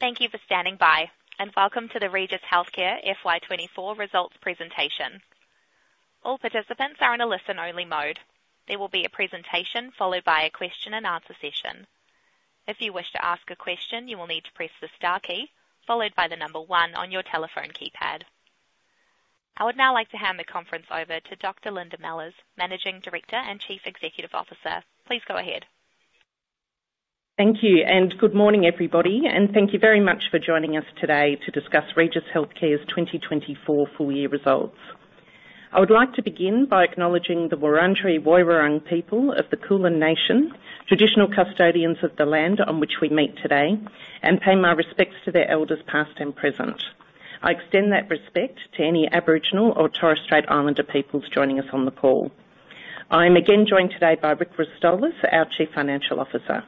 Thank you for standing by, and welcome to the Regis Healthcare FY 2024 Results Presentation. All participants are in a listen-only mode. There will be a presentation followed by a question and answer session. If you wish to ask a question, you will need to press the star key followed by the number one on your telephone keypad. I would now like to hand the conference over to Dr. Linda Mellors, Managing Director and Chief Executive Officer. Please go ahead. Thank you, and good morning, everybody, and thank you very much for joining us today to discuss Regis Healthcare's 2024 full-year results. I would like to begin by acknowledging the Wurundjeri Woi-wurrung people of the Kulin Nation, traditional custodians of the land on which we meet today, and pay my respects to their elders, past and present. I extend that respect to any Aboriginal or Torres Strait Islander peoples joining us on the call. I am again joined today by Rick Rostolis, Our Chief Financial Officer.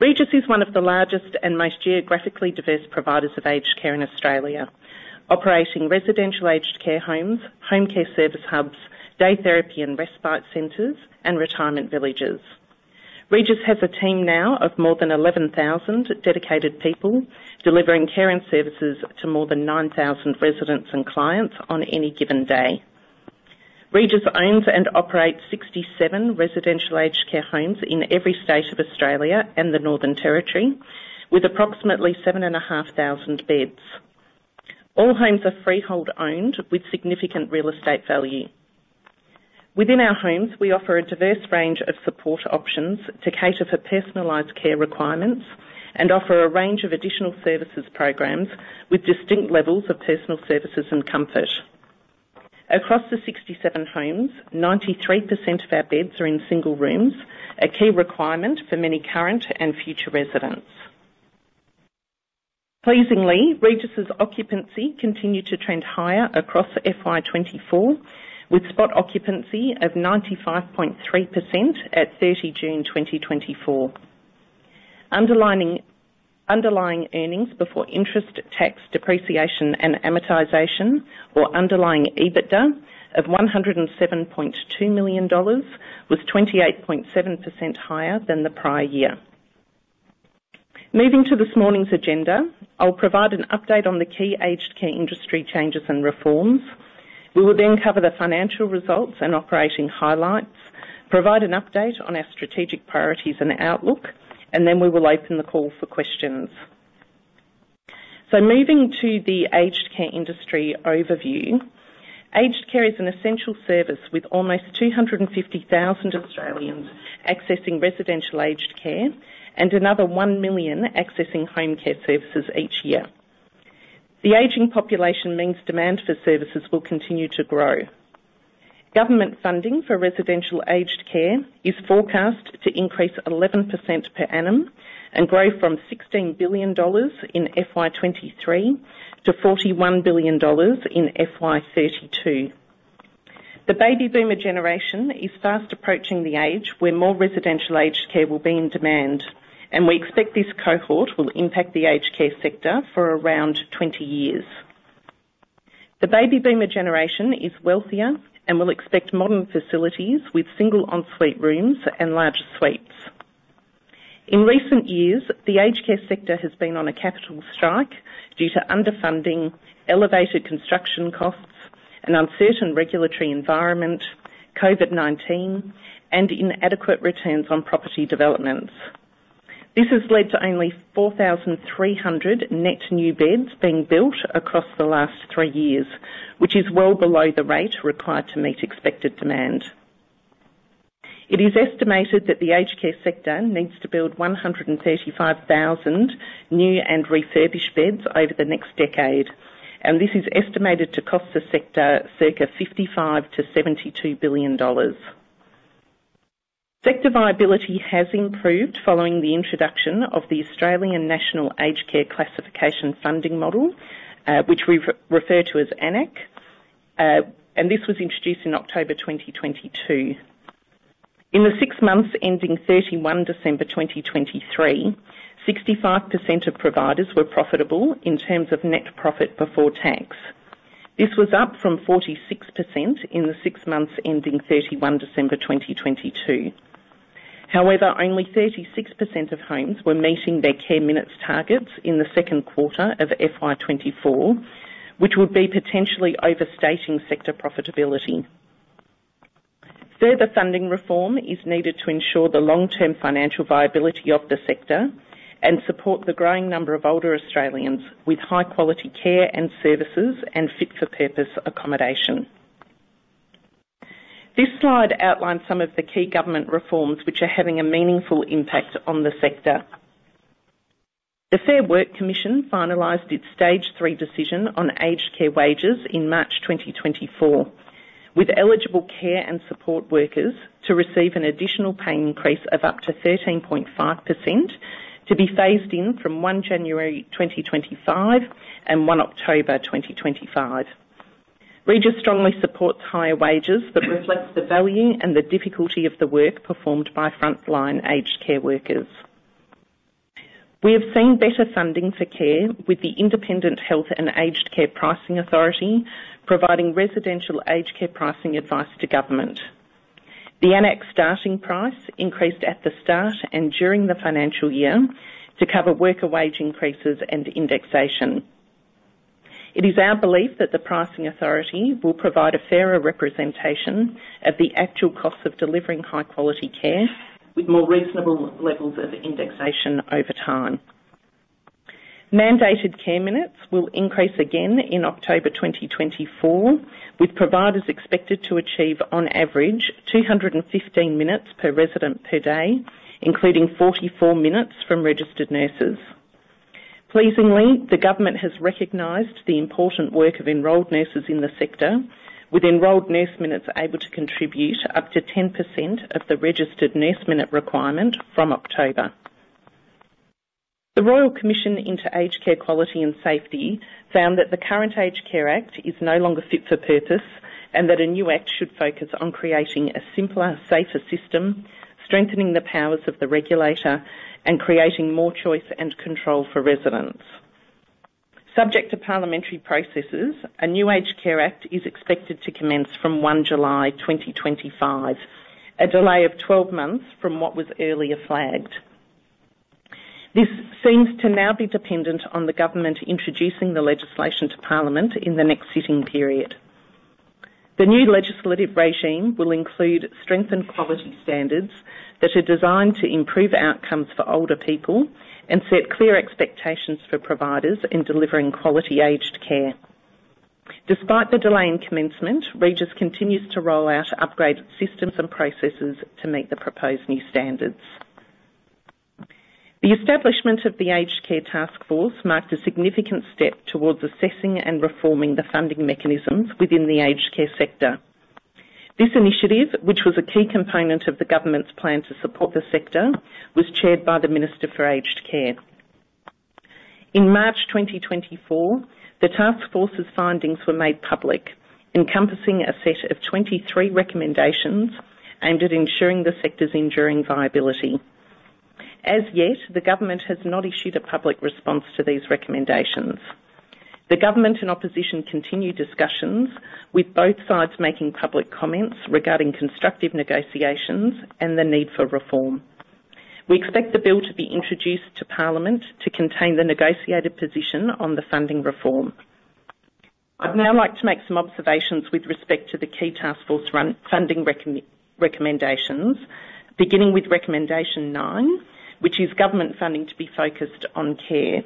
Regis is one of the largest and most geographically diverse providers of aged care in Australia, operating residential aged care homes, home care service hubs, day therapy and respite centers, and retirement villages. Regis has a team now of more than 11,000 dedicated people, delivering care and services to more than 9,000 residents and clients on any given day. Regis owns and operates 67 residential aged care homes in every state of Australia and the Northern Territory, with approximately 7,500 beds. All homes are freehold-owned with significant real estate value. Within our homes, we offer a diverse range of support options to cater for personalized care requirements and offer a range of additional services programs with distinct levels of personal services and comfort. Across the 67 homes, 93% of our beds are in single rooms, a key requirement for many current and future residents. Pleasingly, Regis's occupancy continued to trend higher across FY 2024, with spot occupancy of 95.3% at 30 June 2024. Underlying earnings before interest, tax, depreciation, and amortization, or underlying EBITDA, of 107.2 million dollars was 28.7% higher than the prior year. Moving to this morning's agenda, I'll provide an update on the key aged care industry changes and reforms. We will then cover the financial results and operating highlights, provide an update on our strategic priorities and outlook, and then we will open the call for questions. So moving to the aged care industry overview. Aged care is an essential service, with almost 250,000 Australians accessing residential aged care and another 1 million accessing home care services each year. The aging population means demand for services will continue to grow. Government funding for residential aged care is forecast to increase 11% per annum and grow from 16 billion dollars in FY 2023 to 41 billion dollars in FY 2032. The baby boomer generation is fast approaching the age where more residential aged care will be in demand, and we expect this cohort will impact the aged care sector for around 20 years. The baby boomer generation is wealthier and will expect modern facilities with single ensuite rooms and large suites. In recent years, the aged care sector has been on a capital strike due to underfunding, elevated construction costs, and uncertain regulatory environment, COVID-19, and inadequate returns on property developments. This has led to only 4,300 net new beds being built across the last three years, which is well below the rate required to meet expected demand. It is estimated that the aged care sector needs to build 135,000 new and refurbished beds over the next decade, and this is estimated to cost the sector circa 55 billion-72 billion dollars. Sector viability has improved following the introduction of the Australian National Aged Care Classification funding model, which we refer to as AN-ACC, and this was introduced in October 2022. In the six months ending 31 December 2023, 65% of providers were profitable in terms of net profit before tax. This was up from 46% in the six months ending 31 December 2022. However, only 36% of homes were meeting their care minutes targets in the second quarter of FY 2024, which would be potentially overstating sector profitability. Further funding reform is needed to ensure the long-term financial viability of the sector and support the growing number of older Australians with high-quality care and services and fit-for-purpose accommodation. This slide outlines some of the key government reforms, which are having a meaningful impact on the sector. The Fair Work Commission finalized its stage three decision on aged care wages in March 2024, with eligible care and support workers to receive an additional pay increase of up to 13.5%, to be phased in from 1 January 2025 and 1 October 2025. Regis strongly supports higher wages that reflects the value and the difficulty of the work performed by frontline aged care workers. We have seen better funding for care with the Independent Health and Aged Care Pricing Authority providing residential aged care pricing advice to government. The AN-ACC starting price increased at the start and during the financial year to cover worker wage increases and indexation. It is our belief that the pricing authority will provide a fairer representation of the actual cost of delivering high-quality care, with more reasonable levels of indexation over time. Mandated care minutes will increase again in October 2024, with providers expected to achieve, on average, 215 minutes per resident per day, including 44 minutes from registered nurses. Pleasingly, the government has recognized the important work of enrolled nurses in the sector, with enrolled nurse minutes able to contribute up to 10% of the registered nurse minute requirement from October. The Royal Commission into Aged Care Quality and Safety found that the current Aged Care Act is no longer fit for purpose, and that a new act should focus on creating a simpler, safer system, strengthening the powers of the regulator, and creating more choice and control for residents. Subject to parliamentary processes, a new Aged Care Act is expected to commence from 1 July 2025, a delay of 12 months from what was earlier flagged. This seems to now be dependent on the government introducing the legislation to Parliament in the next sitting period. The new legislative regime will include strengthened quality standards that are designed to improve outcomes for older people and set clear expectations for providers in delivering quality aged care. Despite the delay in commencement, Regis continues to roll out upgraded systems and processes to meet the proposed new standards. The establishment of the Aged Care Taskforce marked a significant step towards assessing and reforming the funding mechanisms within the aged care sector. This initiative, which was a key component of the government's plan to support the sector, was chaired by the Minister for Aged Care. In March 2024, the taskforce's findings were made public, encompassing a set of 23 recommendations aimed at ensuring the sector's enduring viability. As yet, the government has not issued a public response to these recommendations. The government and opposition continue discussions, with both sides making public comments regarding constructive negotiations and the need for reform. We expect the bill to be introduced to Parliament to contain the negotiated position on the funding reform. I'd now like to make some observations with respect to the key taskforce funding recommendations, beginning with recommendation 9, which is government funding to be focused on care.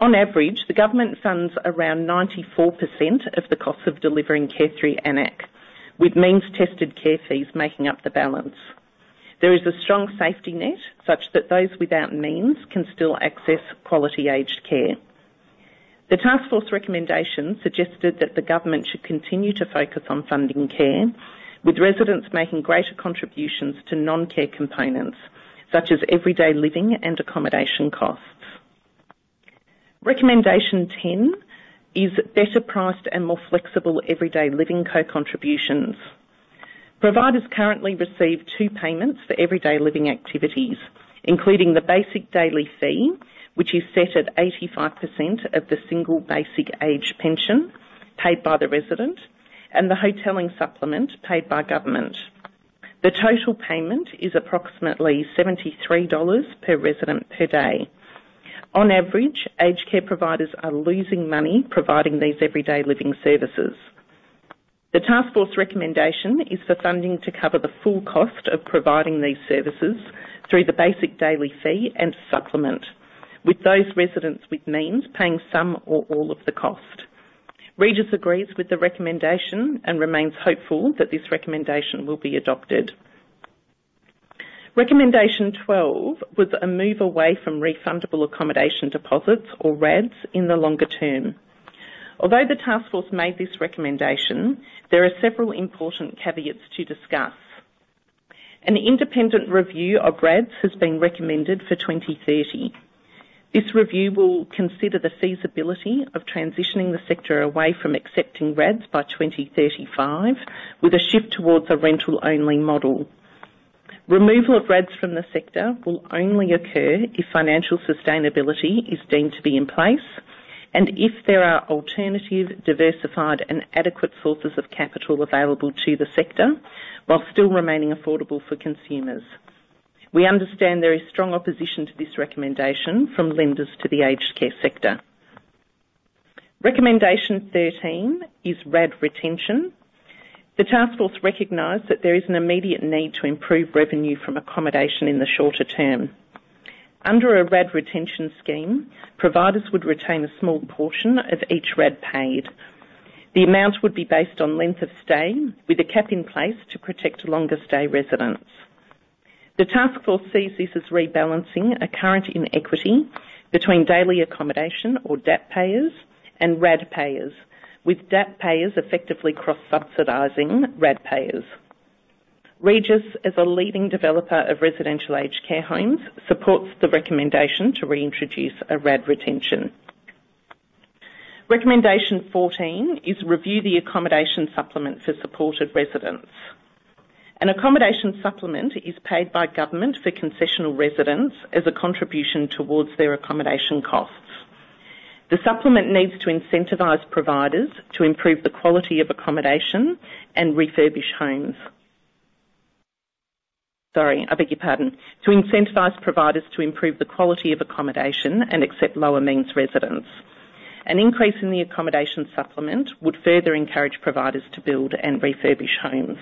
On average, the government funds around 94% of the cost of delivering care through AN-ACC, with means tested care fees making up the balance. There is a strong safety net, such that those without means can still access quality aged care. The taskforce recommendation suggested that the government should continue to focus on funding care, with residents making greater contributions to non-care components, such as everyday living and accommodation costs. Recommendation 10 is better priced and more flexible everyday living co-contributions. Providers currently receive two payments for everyday living activities, including the basic daily fee, which is set at 85% of the single basic age pension paid by the resident, and the Hotelling Supplement paid by government. The total payment is approximately 73 dollars per resident per day. On average, aged care providers are losing money providing these everyday living services. The taskforce recommendation is for funding to cover the full cost of providing these services through the basic daily fee and supplement, with those residents with means paying some or all of the cost. Regis agrees with the recommendation and remains hopeful that this recommendation will be adopted. Recommendation 12 was a move away from Refundable Accommodation Deposits, or RADs, in the longer term. Although the taskforce made this recommendation, there are several important caveats to discuss. An independent review of RADs has been recommended for 2030. This review will consider the feasibility of transitioning the sector away from accepting RADs by 2035, with a shift towards a rental-only model. Removal of RADs from the sector will only occur if financial sustainability is deemed to be in place and if there are alternative, diversified, and adequate sources of capital available to the sector while still remaining affordable for consumers. We understand there is strong opposition to this recommendation from lenders to the aged care sector. Recommendation 13 is RAD retention. The taskforce recognized that there is an immediate need to improve revenue from accommodation in the shorter term. Under a RAD retention scheme, providers would retain a small portion of each RAD paid. The amount would be based on length of stay, with a cap in place to protect longer stay residents. The Taskforce sees this as rebalancing a current inequity between daily accommodation, or DAP payers, and RAD payers, with DAP payers effectively cross-subsidizing RAD payers. Regis, as a leading developer of residential aged care homes, supports the recommendation to reintroduce a RAD retention. Recommendation 14 is review the accommodation supplement for supported residents. An accommodation supplement is paid by government for concessional residents as a contribution towards their accommodation costs.... The supplement needs to incentivize providers to improve the quality of accommodation and refurbish homes. Sorry, I beg your pardon. To incentivize providers to improve the quality of accommodation and accept lower means residents. An increase in the accommodation supplement would further encourage providers to build and refurbish homes.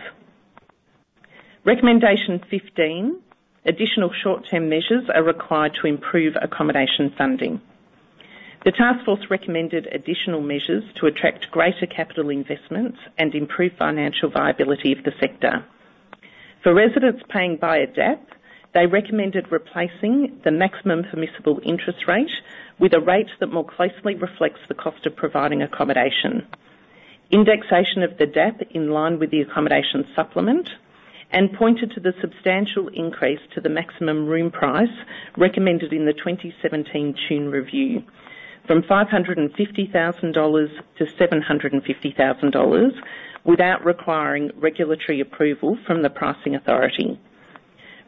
Recommendation 15, additional short-term measures are required to improve accommodation funding. The Taskforce recommended additional measures to attract greater capital investments and improve financial viability of the sector. For residents paying via DAP, they recommended replacing the maximum permissible interest rate with a rate that more closely reflects the cost of providing accommodation. Indexation of the DAP in line with the accommodation supplement, and pointed to the substantial increase to the maximum room price recommended in the 2017 Tune Review, from 550,000 dollars to 750,000 dollars, without requiring regulatory approval from the pricing authority.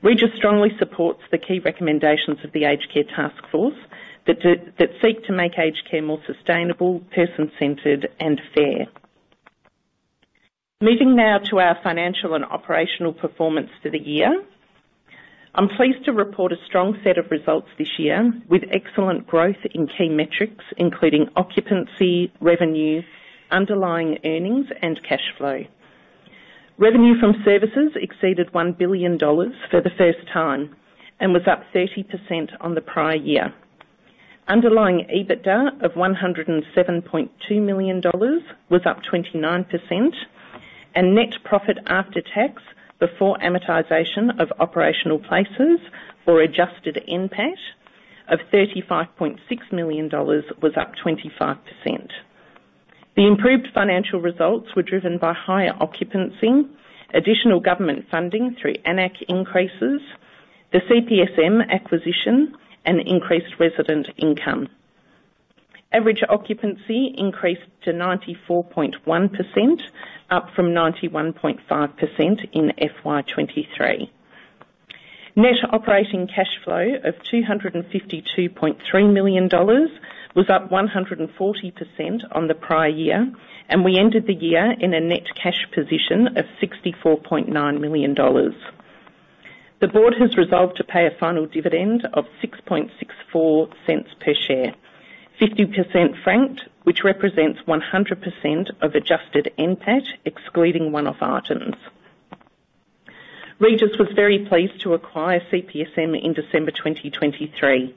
Regis strongly supports the key recommendations of the Aged Care Taskforce, that seek to make aged care more sustainable, person-centered, and fair. Moving now to our financial and operational performance for the year. I'm pleased to report a strong set of results this year, with excellent growth in key metrics, including occupancy, revenue, underlying earnings, and cash flow. Revenue from services exceeded 1 billion dollars for the first time and was up 30% on the prior year. Underlying EBITDA of 107.2 million dollars was up 29%, and net profit after tax, before amortization of operational places, or adjusted NPAT, of 35.6 million dollars, was up 25%. The improved financial results were driven by higher occupancy, additional government funding through AN-ACC increases, the CPSM acquisition, and increased resident income. Average occupancy increased to 94.1%, up from 91.5% in FY 2023. Net operating cash flow of AUD 252.3 million was up 140% on the prior year, and we ended the year in a net cash position of 64.9 million dollars. The board has resolved to pay a final dividend of 0.0664 per share, 50% franked, which represents 100% of adjusted NPAT, excluding one-off items. Regis was very pleased to acquire CPSM in December 2023,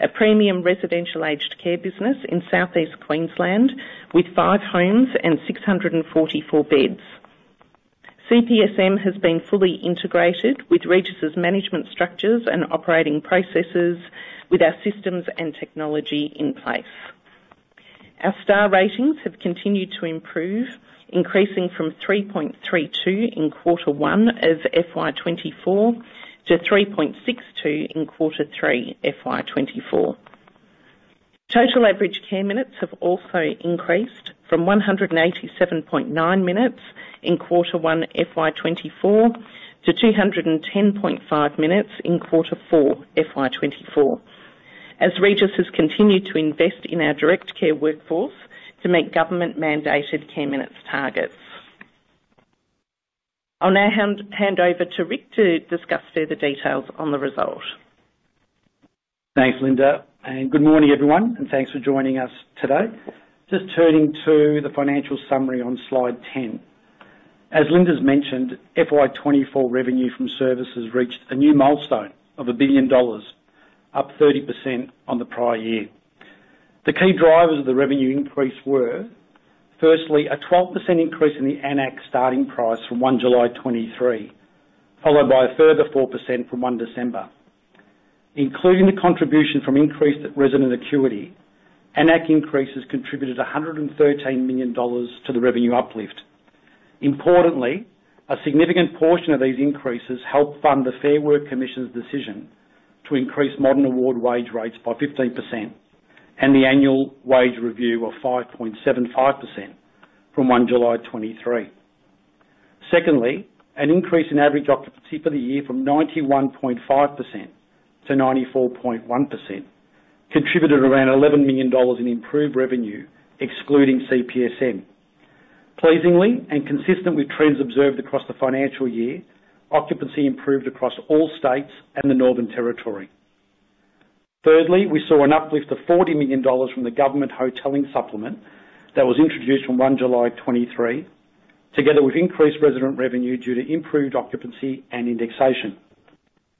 a premium residential aged care business in Southeast Queensland, with five homes and 644 beds. CPSM has been fully integrated with Regis's management structures and operating processes with our systems and technology in place. Our star ratings have continued to improve, increasing from 3.32 in quarter one of FY 2024 to 3.62 in quarter three, FY 2024. Total average care minutes have also increased from 187.9 minutes in quarter one, FY 2024, to 210.5 minutes in quarter four, FY 2024, as Regis has continued to invest in our direct care workforce to meet government-mandated care minutes targets. I'll now hand over to Rick to discuss further details on the results. Thanks, Linda, and good morning, everyone, and thanks for joining us today. Just turning to the financial summary on slide 10. As Linda's mentioned, FY 2024 revenue from services reached a new milestone of 1 billion dollars, up 30% on the prior year. The key drivers of the revenue increase were, firstly, a 12% increase in the AN-ACC starting price from 1 July 2023, followed by a further 4% from 1 December 2023. Including the contribution from increased resident acuity, AN-ACC increases contributed 113 million dollars to the revenue uplift. Importantly, a significant portion of these increases helped fund the Fair Work Commission's decision to increase modern award wage rates by 15% and the annual wage review of 5.75% from 1 July 2023. Secondly, an increase in average occupancy for the year from 91.5% to 94.1% contributed around 11 million dollars in improved revenue, excluding CPSM. Pleasingly, and consistent with trends observed across the financial year, occupancy improved across all states and the Northern Territory. Thirdly, we saw an uplift of 40 million dollars from the government hotelling supplement that was introduced from 1 July 2023, together with increased resident revenue due to improved occupancy and indexation.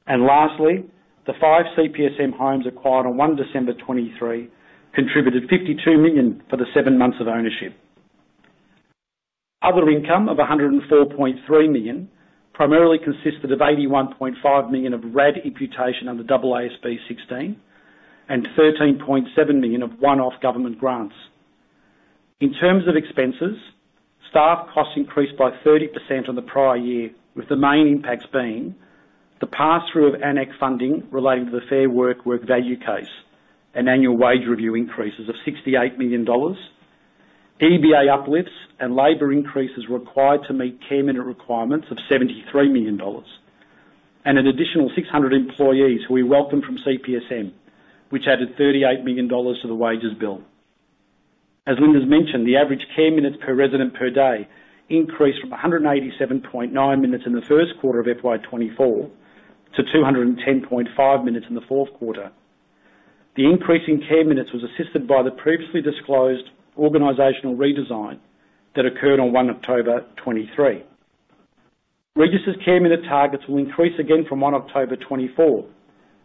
And lastly, the five CPSM homes acquired on 1 December 2023 contributed 52 million for the seven months of ownership. Other income of 104.3 million primarily consisted of 81.5 million of RAD imputation under AASB 16 and 13.7 million of one-off government grants. In terms of expenses, staff costs increased by 30% on the prior year, with the main impacts being the pass-through of AN-ACC funding relating to the Fair Work, work value case and annual wage review increases of 68 million dollars, EBA uplifts and labor increases required to meet care minute requirements of 73 million dollars, and an additional 600 employees we welcomed from CPSM, which added 38 million dollars to the wages bill. As Linda's mentioned, the average care minutes per resident per day increased from 187.9 minutes in the first quarter of FY 2024, to 210.5 minutes in the fourth quarter. The increase in care minutes was assisted by the previously disclosed organizational redesign that occurred on 1 October 2023. Regis' care minute targets will increase again from 1 October 2024,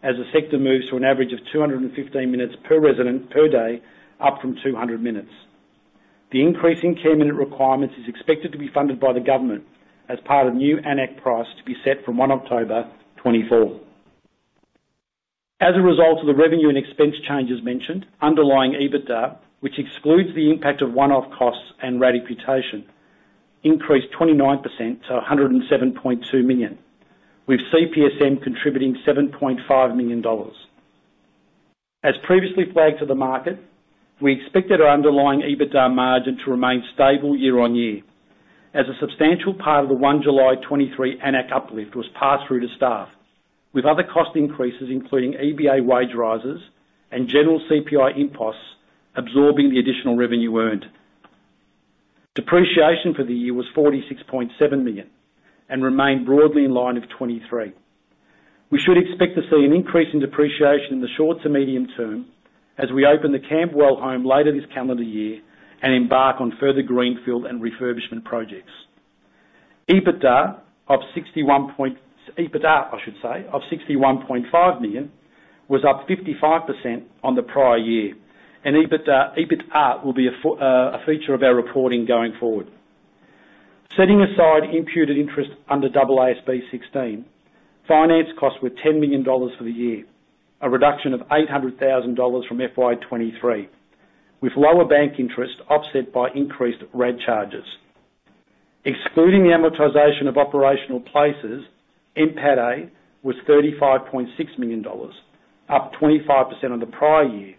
as the sector moves to an average of 215 minutes per resident per day, up from 200 minutes. The increase in care minute requirements is expected to be funded by the government as part of new AN-ACC price to be set from 1 October 2024. As a result of the revenue and expense changes mentioned, underlying EBITDA, which excludes the impact of one-off costs and ratification, increased 29% to 107.2 million, with CPSM contributing 7.5 million dollars. As previously flagged to the market, we expected our underlying EBITDA margin to remain stable year on year, as a substantial part of the 1 July 2023 AN-ACC uplift was passed through to staff, with other cost increases, including EBA wage rises and general CPI impulses, absorbing the additional revenue earned. Depreciation for the year was 46.7 million and remained broadly in line with 2023. We should expect to see an increase in depreciation in the short to medium term as we open the Camberwell home later this calendar year and embark on further greenfield and refurbishment projects. EBITDA of 61.5 million was up 55% on the prior year, and EBITDA will be a feature of our reporting going forward. Setting aside imputed interest under AASB 16, finance costs were 10 million dollars for the year, a reduction of 800,000 dollars from FY 2023, with lower bank interest offset by increased RAD charges. Excluding the amortization of operational places, NPAT was 35.6 million dollars, up 25% on the prior year.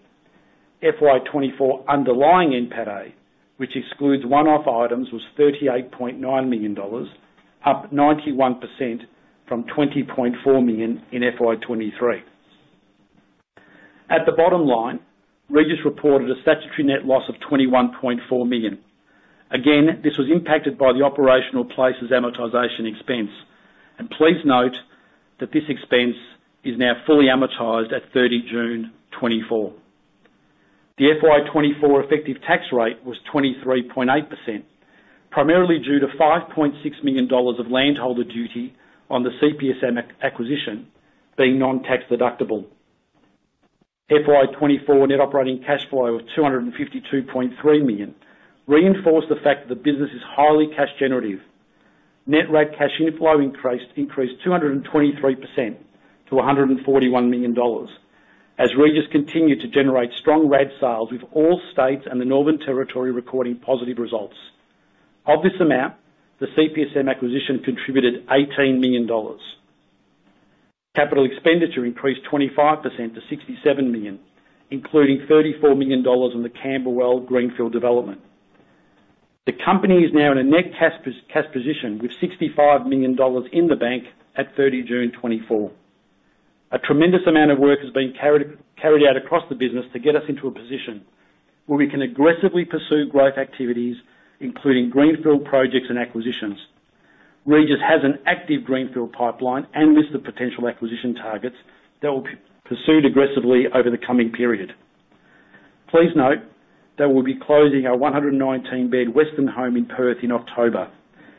FY 2024 underlying NPAT, which excludes one-off items, was AUD 38.9 million, up 91% from AUD 20.4 million in FY 2023. At the bottom line, Regis reported a statutory net loss of 21.4 million. Again, this was impacted by the operational places amortization expense. And please note that this expense is now fully amortized at 30 June 2024. The FY 2024 effective tax rate was 23.8%, primarily due to 5.6 million dollars of landholder duty on the CPSM acquisition being non-tax deductible. FY 2024 net operating cash flow of AUD 252.3 million reinforced the fact that the business is highly cash generative. Net RAD cash inflow increased 223% to 141 million dollars, as Regis continued to generate strong RAD sales, with all states and the Northern Territory recording positive results. Of this amount, the CPSM acquisition contributed 18 million dollars. Capital expenditure increased 25% to 67 million, including 34 million dollars on the Camberwell Greenfield development. The company is now in a net cash position, with 65 million dollars in the bank at 30 June 2024. A tremendous amount of work has been carried out across the business to get us into a position where we can aggressively pursue growth activities, including greenfield projects and acquisitions. Regis has an active greenfield pipeline and list of potential acquisition targets that will be pursued aggressively over the coming period. Please note that we'll be closing our 119-bed Weston home in Perth in October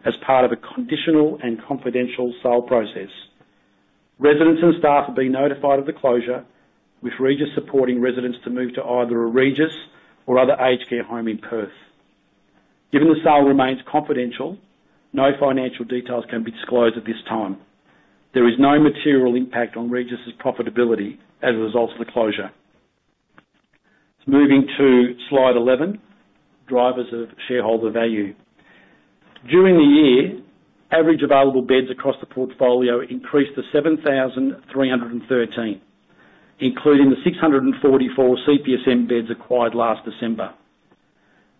as part of a conditional and confidential sale process. Residents and staff have been notified of the closure, with Regis supporting residents to move to either a Regis or other aged care home in Perth. Given the sale remains confidential, no financial details can be disclosed at this time. There is no material impact on Regis' profitability as a result of the closure. Moving to slide 11, Drivers of Shareholder Value. During the year, average available beds across the portfolio increased to 7,313, including the 644 CPSM beds acquired last December.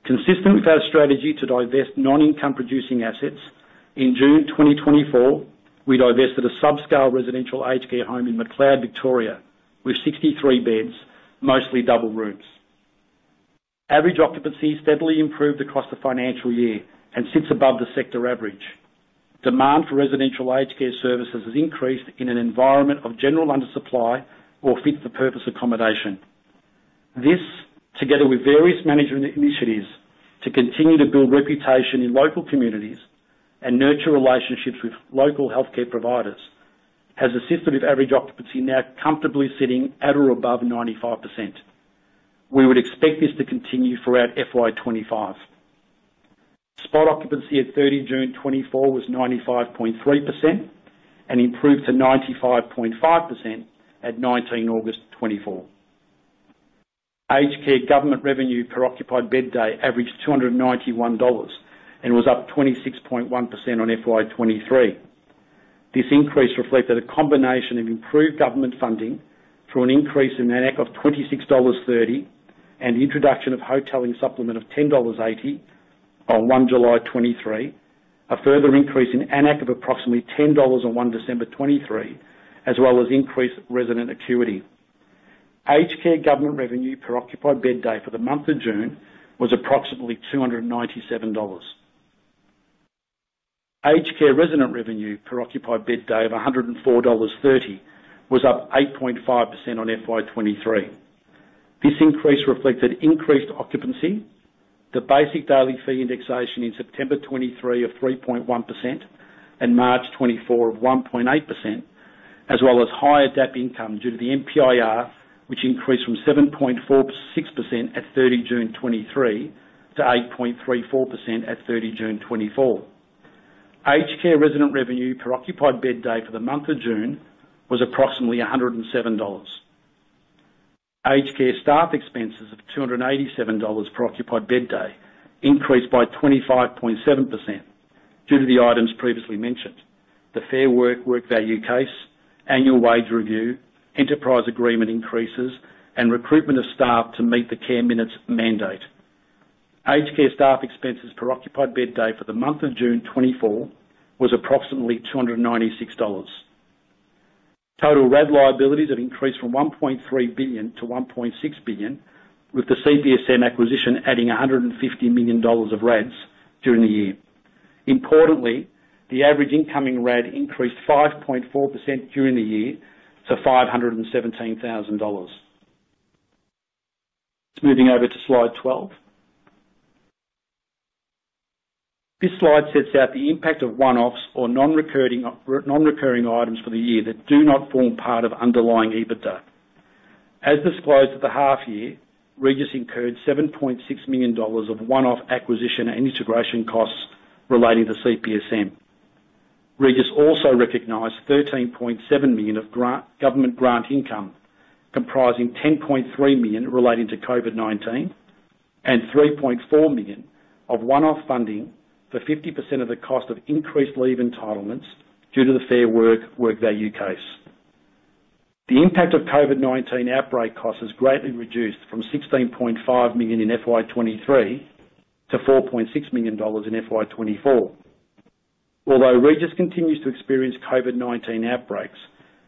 Consistent with our strategy to divest non-income producing assets, in June 2024, we divested a subscale residential aged care home in Macleod, Victoria, with 63 beds, mostly double rooms. Average occupancy steadily improved across the financial year and sits above the sector average. Demand for residential aged care services has increased in an environment of general undersupply or fit-for-purpose accommodation. This, together with various management initiatives to continue to build reputation in local communities and nurture relationships with local healthcare providers, has assisted with average occupancy now comfortably sitting at or above 95%. We would expect this to continue throughout FY 2025. Spot occupancy at 30 June 2024 was 95.3% and improved to 95.5% at 19 August 2024. Aged care government revenue per occupied bed day averaged 291 dollars and was up 26.1% on FY 2023. This increase reflects that a combination of improved government funding through an increase in AN-ACC of 26.30 dollars, and the introduction of hoteling supplement of 10.80 dollars on 1 July 2023, a further increase in AN-ACC of approximately 10 dollars on 1 December 2023, as well as increased resident acuity. Aged care government revenue per occupied bed day for the month of June was approximately 297 dollars. Aged care resident revenue per occupied bed day of 104.30 dollars, was up 8.5% on FY 2023. This increase reflected increased occupancy, the basic daily fee indexation in September 2023 of 3.1%, and March 2024 of 1.8%, as well as higher DAP income due to the MPIR, which increased from 7.46% at 30 June 2023 to 8.34% at 30 June 2024. Aged care resident revenue per occupied bed day for the month of June was approximately 107 dollars. Aged care staff expenses of 287 dollars per occupied bed day increased by 25.7% due to the items previously mentioned. The Fair Work, Work Value Case, annual wage review, enterprise agreement increases, and recruitment of staff to meet the care minutes mandate. Aged care staff expenses per occupied bed day for the month of June 2024 was approximately 296 dollars. Total RAD liabilities have increased from 1.3 billion to 1.6 billion, with the CPSM acquisition adding 150 million dollars of RADs during the year. Importantly, the average incoming RAD increased 5.4% during the year to 517,000 dollars. Moving over to slide 12. This slide sets out the impact of one-offs or non-recurring items for the year that do not form part of underlying EBITDA. As disclosed at the half year, Regis incurred 7.6 million dollars of one-off acquisition and integration costs relating to CPSM. Regis also recognized 13.7 million of government grant income, comprising 10.3 million relating to COVID-19, and 3.4 million of one-off funding for 50% of the cost of increased leave entitlements due to the Fair Work, Work Value Case. The impact of COVID-19 outbreak costs has greatly reduced from 16.5 million in FY 2023 to 4.6 million dollars in FY 2024. Although Regis continues to experience COVID-19 outbreaks,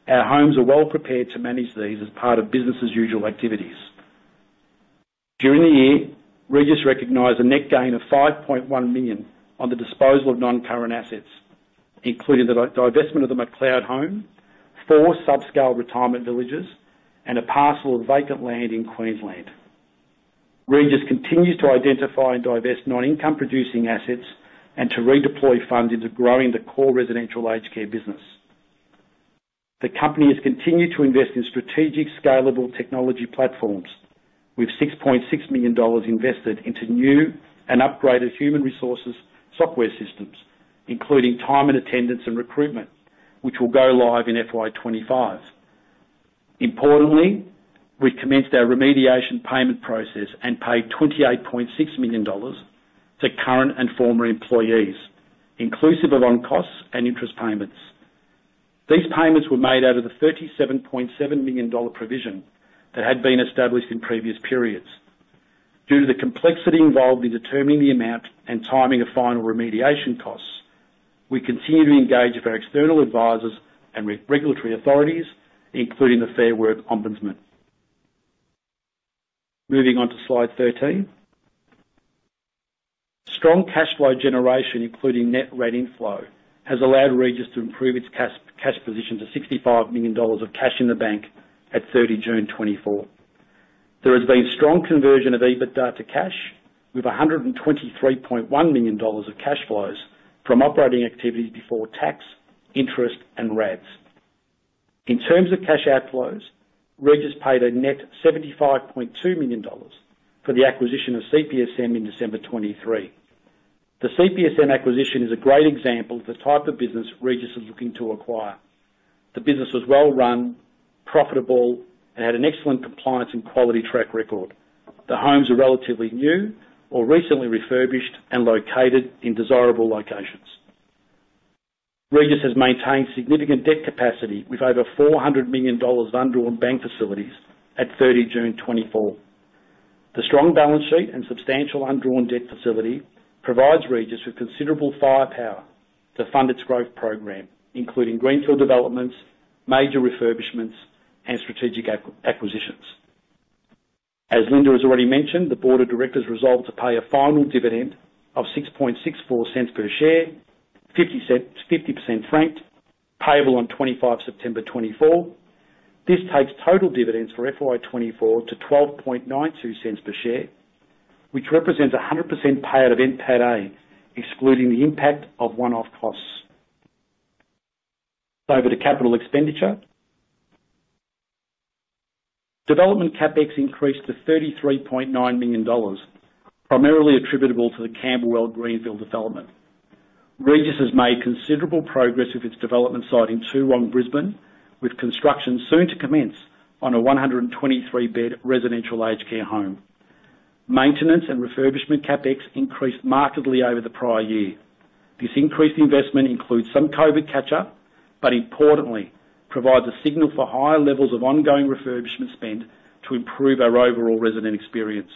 our homes are well prepared to manage these as part of business as usual activities. During the year, Regis recognized a net gain of 5.1 million on the disposal of non-current assets, including the divestment of the McLeod home, four subscale retirement villages, and a parcel of vacant land in Queensland. Regis continues to identify and divest non-income producing assets and to redeploy funds into growing the core residential aged care business. The company has continued to invest in strategic, scalable technology platforms, with 6.6 million dollars invested into new and upgraded human resources software systems, including time and attendance, and recruitment, which will go live in FY 2025. Importantly, we commenced our remediation payment process and paid 28.6 million dollars to current and former employees, inclusive of on costs and interest payments. These payments were made out of the AUD 37.7 million provision that had been established in previous periods. Due to the complexity involved in determining the amount and timing of final remediation costs, we continue to engage with our external advisors and with regulatory authorities, including the Fair Work Ombudsman. Moving on to slide 13. Strong cash flow generation, including net RAD inflow, has allowed Regis to improve its cash position to 65 million dollars of cash in the bank at 30 June 2024. There has been strong conversion of EBITDA to cash, with 123.1 million dollars of cash flows from operating activities before tax, interest, and RADs. In terms of cash outflows, Regis paid a net 75.2 million dollars for the acquisition of CPSM in December 2023. The CPSM acquisition is a great example of the type of business Regis is looking to acquire. The business was well-run, profitable, and had an excellent compliance and quality track record. The homes are relatively new or recently refurbished and located in desirable locations. Regis has maintained significant debt capacity, with over 400 million dollars of undrawn bank facilities at 30 June 2024. The strong balance sheet and substantial undrawn debt facility provides Regis with considerable firepower to fund its growth program, including greenfield developments, major refurbishments, and strategic acquisitions. As Linda has already mentioned, the board of directors resolved to pay a final dividend of 6.64 cents per share, 50% franked, payable on 25 September 2024. This takes total dividends for FY 2024 to 12.92 cents per share, which represents 100% payout of NPATA, excluding the impact of one-off costs. Over to capital expenditure. Development CapEx increased to 33.9 million dollars, primarily attributable to the Camberwell greenfield development. Regis has made considerable progress with its development site in Toowong, Brisbane, with construction soon to commence on a 123-bed residential aged care home. Maintenance and refurbishment CapEx increased markedly over the prior year. This increased investment includes some COVID catch-up, but importantly, provides a signal for higher levels of ongoing refurbishment spend to improve our overall resident experience.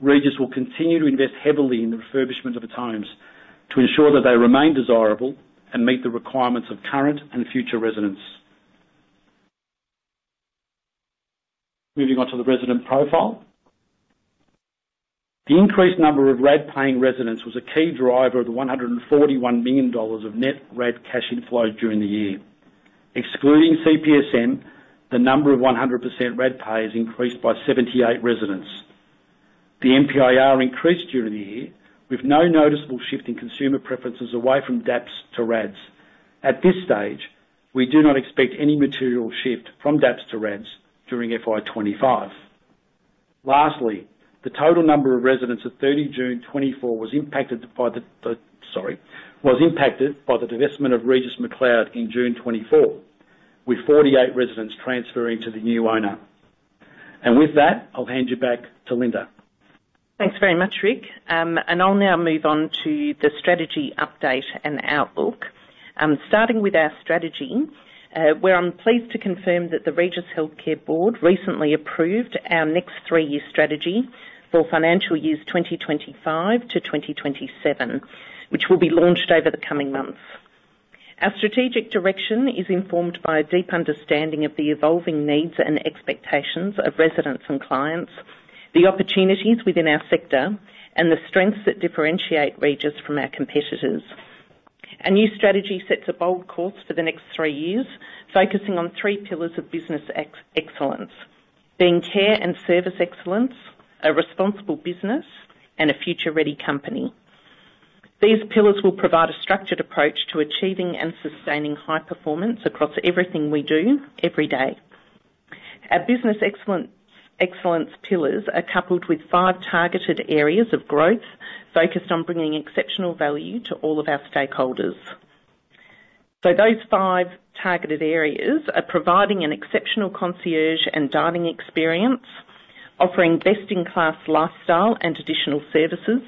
Regis will continue to invest heavily in the refurbishment of its homes to ensure that they remain desirable and meet the requirements of current and future residents. Moving on to the resident profile. The increased number of RAD paying residents was a key driver of the 141 million dollars of net RAD cash inflow during the year. Excluding CPSM, the number of 100% RAD payers increased by 78 residents. The MPIR increased during the year, with no noticeable shift in consumer preferences away from DAPs to RADs. At this stage, we do not expect any material shift from DAPs to RADs during FY 2025. Lastly, the total number of residents at 30 June 2024 was impacted by the divestment of Regis McLeod in June 2024, with 48 residents transferring to the new owner. And with that, I'll hand you back to Linda. Thanks very much, Rick, and I'll now move on to the strategy update and outlook. Starting with our strategy, where I'm pleased to confirm that the Regis Healthcare Board recently approved our next three-year strategy for financial years 2025-2027, which will be launched over the coming months. Our strategic direction is informed by a deep understanding of the evolving needs and expectations of residents and clients, the opportunities within our sector, and the strengths that differentiate Regis from our competitors. Our new strategy sets a bold course for the next three years, focusing on three pillars of business excellence: being care and service excellence, a responsible business, and a future-ready company. These pillars will provide a structured approach to achieving and sustaining high performance across everything we do every day. Our business excellence pillars are coupled with five targeted areas of growth, focused on bringing exceptional value to all of our stakeholders. Those five targeted areas are providing an exceptional concierge and dining experience, offering best-in-class lifestyle and additional services,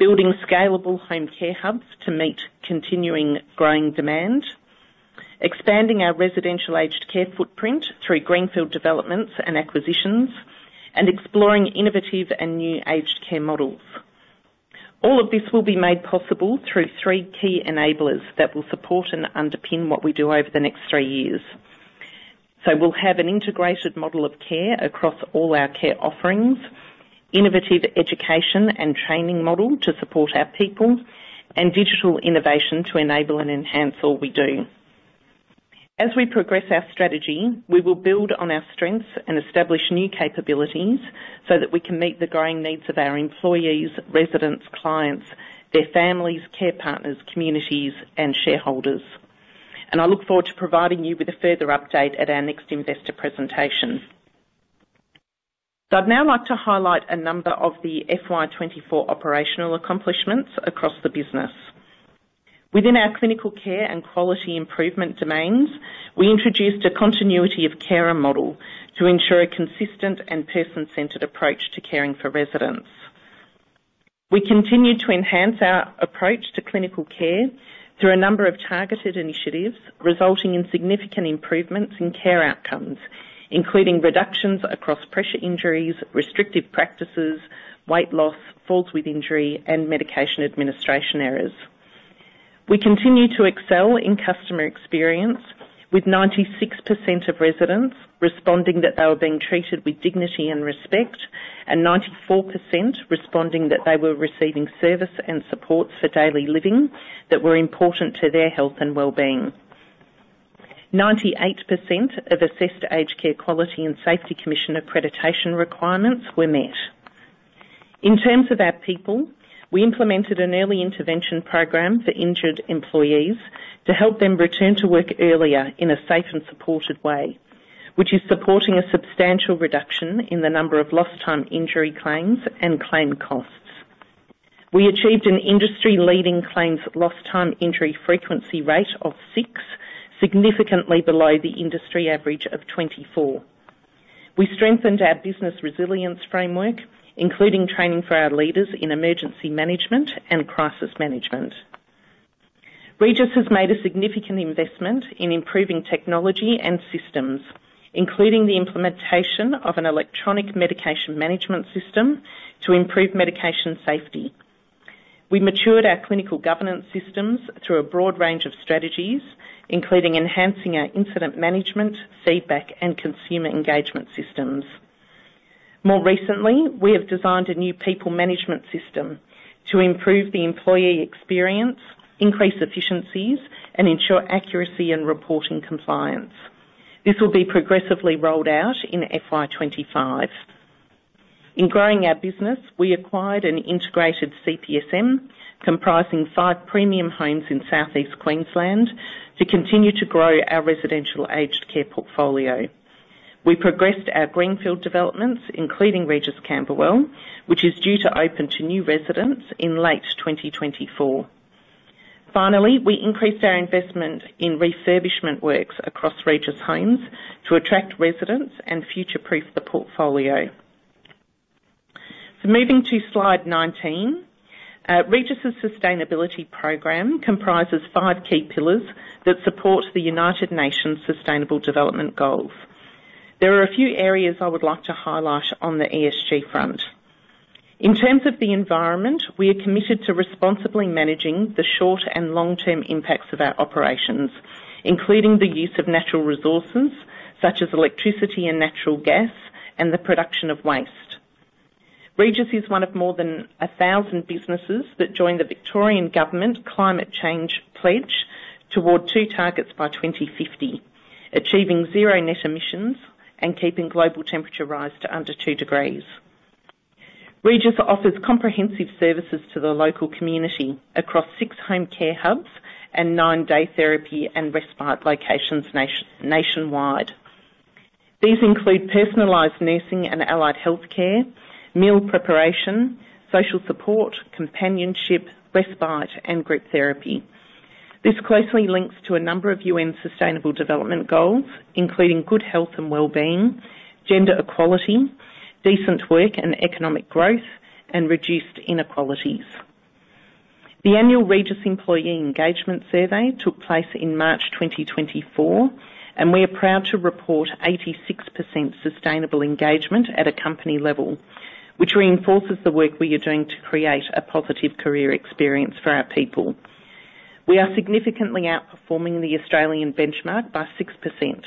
building scalable home care hubs to meet continuing growing demand, expanding our residential aged care footprint through greenfield developments and acquisitions, and exploring innovative and new aged care models. All of this will be made possible through three key enablers that will support and underpin what we do over the next three years. We'll have an integrated model of care across all our care offerings, innovative education and training model to support our people, and digital innovation to enable and enhance all we do. As we progress our strategy, we will build on our strengths and establish new capabilities so that we can meet the growing needs of our employees, residents, clients, their families, care partners, communities, and shareholders, and I look forward to providing you with a further update at our next investor presentation, so I'd now like to highlight a number of the FY 2024 operational accomplishments across the business. Within our clinical care and quality improvement domains, we introduced a continuity of carer model to ensure a consistent and person-centered approach to caring for residents. We continued to enhance our approach to clinical care through a number of targeted initiatives, resulting in significant improvements in care outcomes, including reductions across pressure injuries, restrictive practices, weight loss, falls with injury, and medication administration errors. We continue to excel in customer experience, with 96% of residents responding that they were being treated with dignity and respect, and 94% responding that they were receiving service and supports for daily living that were important to their health and well-being. 98% of Aged Care Quality and Safety Commission accreditation requirements were met. In terms of our people, we implemented an early intervention program for injured employees to help them return to work earlier in a safe and supported way, which is supporting a substantial reduction in the number of lost time injury claims and claim costs. We achieved an industry-leading claims lost time injury frequency rate of six, significantly below the industry average of 24. We strengthened our business resilience framework, including training for our leaders in emergency management and crisis management. Regis has made a significant investment in improving technology and systems, including the implementation of an electronic medication management system to improve medication safety. We matured our clinical governance systems through a broad range of strategies, including enhancing our incident management, feedback, and consumer engagement systems. More recently, we have designed a new people management system to improve the employee experience, increase efficiencies, and ensure accuracy and reporting compliance. This will be progressively rolled out in FY 2025. In growing our business, we acquired an integrated CPSM, comprising five premium homes in Southeast Queensland, to continue to grow our residential aged care portfolio. We progressed our greenfield developments, including Regis Camberwell, which is due to open to new residents in late 2024. Finally, we increased our investment in refurbishment works across Regis homes to attract residents and future-proof the portfolio. So moving to slide 19, Regis's sustainability program comprises five key pillars that support the United Nations Sustainable Development Goals. There are a few areas I would like to highlight on the ESG front. In terms of the environment, we are committed to responsibly managing the short and long-term impacts of our operations, including the use of natural resources, such as electricity and natural gas, and the production of waste. Regis is one of more than a thousand businesses that joined the Victorian Government Climate Change Pledge toward two targets by 20/50: achieving zero net emissions and keeping global temperature rise to under two degrees. Regis offers comprehensive services to the local community across six home care hubs and nine day therapy and respite locations nationwide. These include personalized nursing and allied health care, meal preparation, social support, companionship, respite, and group therapy. This closely links to a number of UN Sustainable Development Goals, including good health and well-being, gender equality, decent work and economic growth, and reduced inequalities. The annual Regis Employee Engagement Survey took place in March 2024, and we are proud to report 86% sustainable engagement at a company level, which reinforces the work we are doing to create a positive career experience for our people. We are significantly outperforming the Australian benchmark by 6%,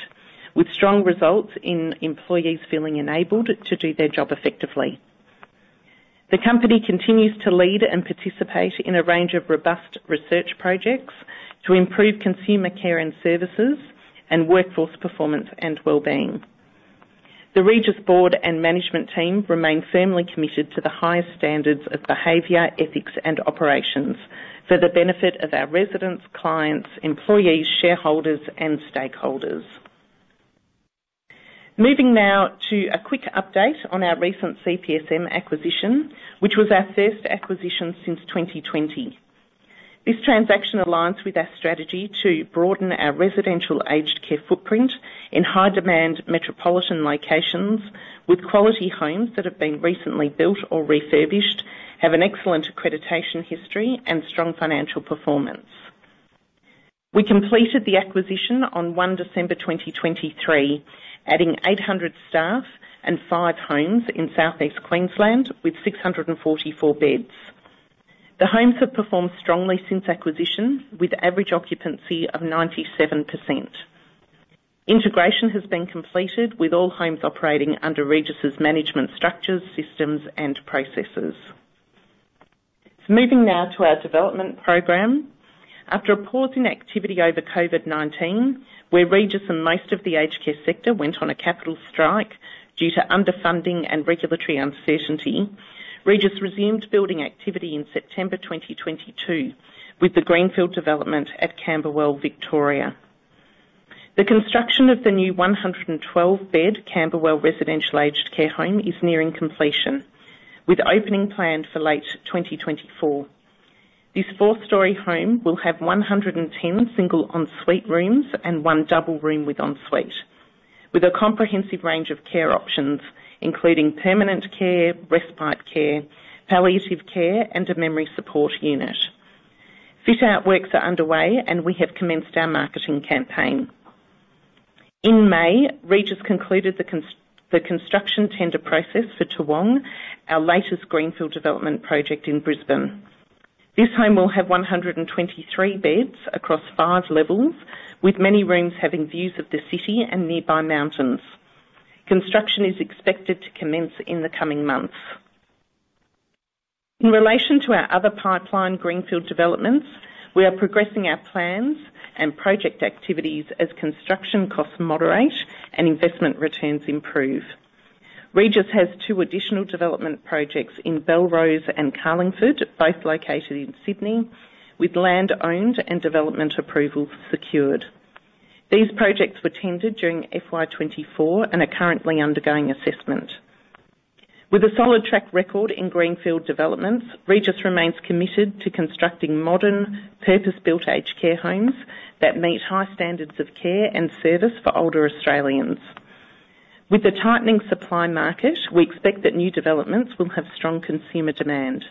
with strong results in employees feeling enabled to do their job effectively. The company continues to lead and participate in a range of robust research projects to improve consumer care and services and workforce performance and well-being. The Regis board and management team remain firmly committed to the highest standards of behavior, ethics, and operations for the benefit of our residents, clients, employees, shareholders, and stakeholders. Moving now to a quick update on our recent CPSM acquisition, which was our first acquisition since 2020. This transaction aligns with our strategy to broaden our residential aged care footprint in high-demand metropolitan locations with quality homes that have been recently built or refurbished, have an excellent accreditation history, and strong financial performance. We completed the acquisition on 1 December 2023, adding 800 staff and five homes in Southeast Queensland with 644 beds. The homes have performed strongly since acquisition, with average occupancy of 97%. Integration has been completed, with all homes operating under Regis's management structures, systems, and processes. So moving now to our development program. After a pause in activity over COVID-19, where Regis and most of the aged care sector went on a capital strike due to underfunding and regulatory uncertainty, Regis resumed building activity in September 2022, with the greenfield development at Camberwell, Victoria. The construction of the new one hundred and twelve-bed Camberwell residential aged care home is nearing completion, with opening planned for late 2024. This four-story home will have one hundred and ten single ensuite rooms and one double room with ensuite, with a comprehensive range of care options, including permanent care, respite care, palliative care, and a memory support unit. Fit-out works are underway, and we have commenced our marketing campaign. In May, Regis concluded the construction tender process for Toowong, our latest greenfield development project in Brisbane. This home will have one hundred and 23 beds across five levels, with many rooms having views of the city and nearby mountains. Construction is expected to commence in the coming months. In relation to our other pipeline greenfield developments, we are progressing our plans and project activities as construction costs moderate and investment returns improve. Regis has two additional development projects in Belrose and Carlingford, both located in Sydney, with land owned and development approval secured. These projects were tendered during FY 2024 and are currently undergoing assessment. With a solid track record in greenfield developments, Regis remains committed to constructing modern, purpose-built aged care homes that meet high standards of care and service for older Australians. With the tightening supply market, we expect that new developments will have strong consumer demand.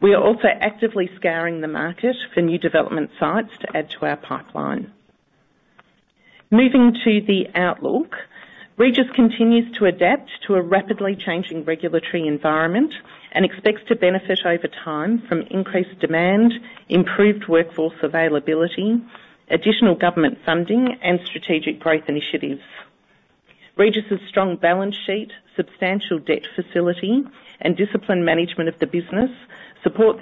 We are also actively scouring the market for new development sites to add to our pipeline. Moving to the outlook, Regis continues to adapt to a rapidly changing regulatory environment and expects to benefit over time from increased demand, improved workforce availability, additional government funding, and strategic growth initiatives. Regis's strong balance sheet, substantial debt facility, and disciplined management of the business support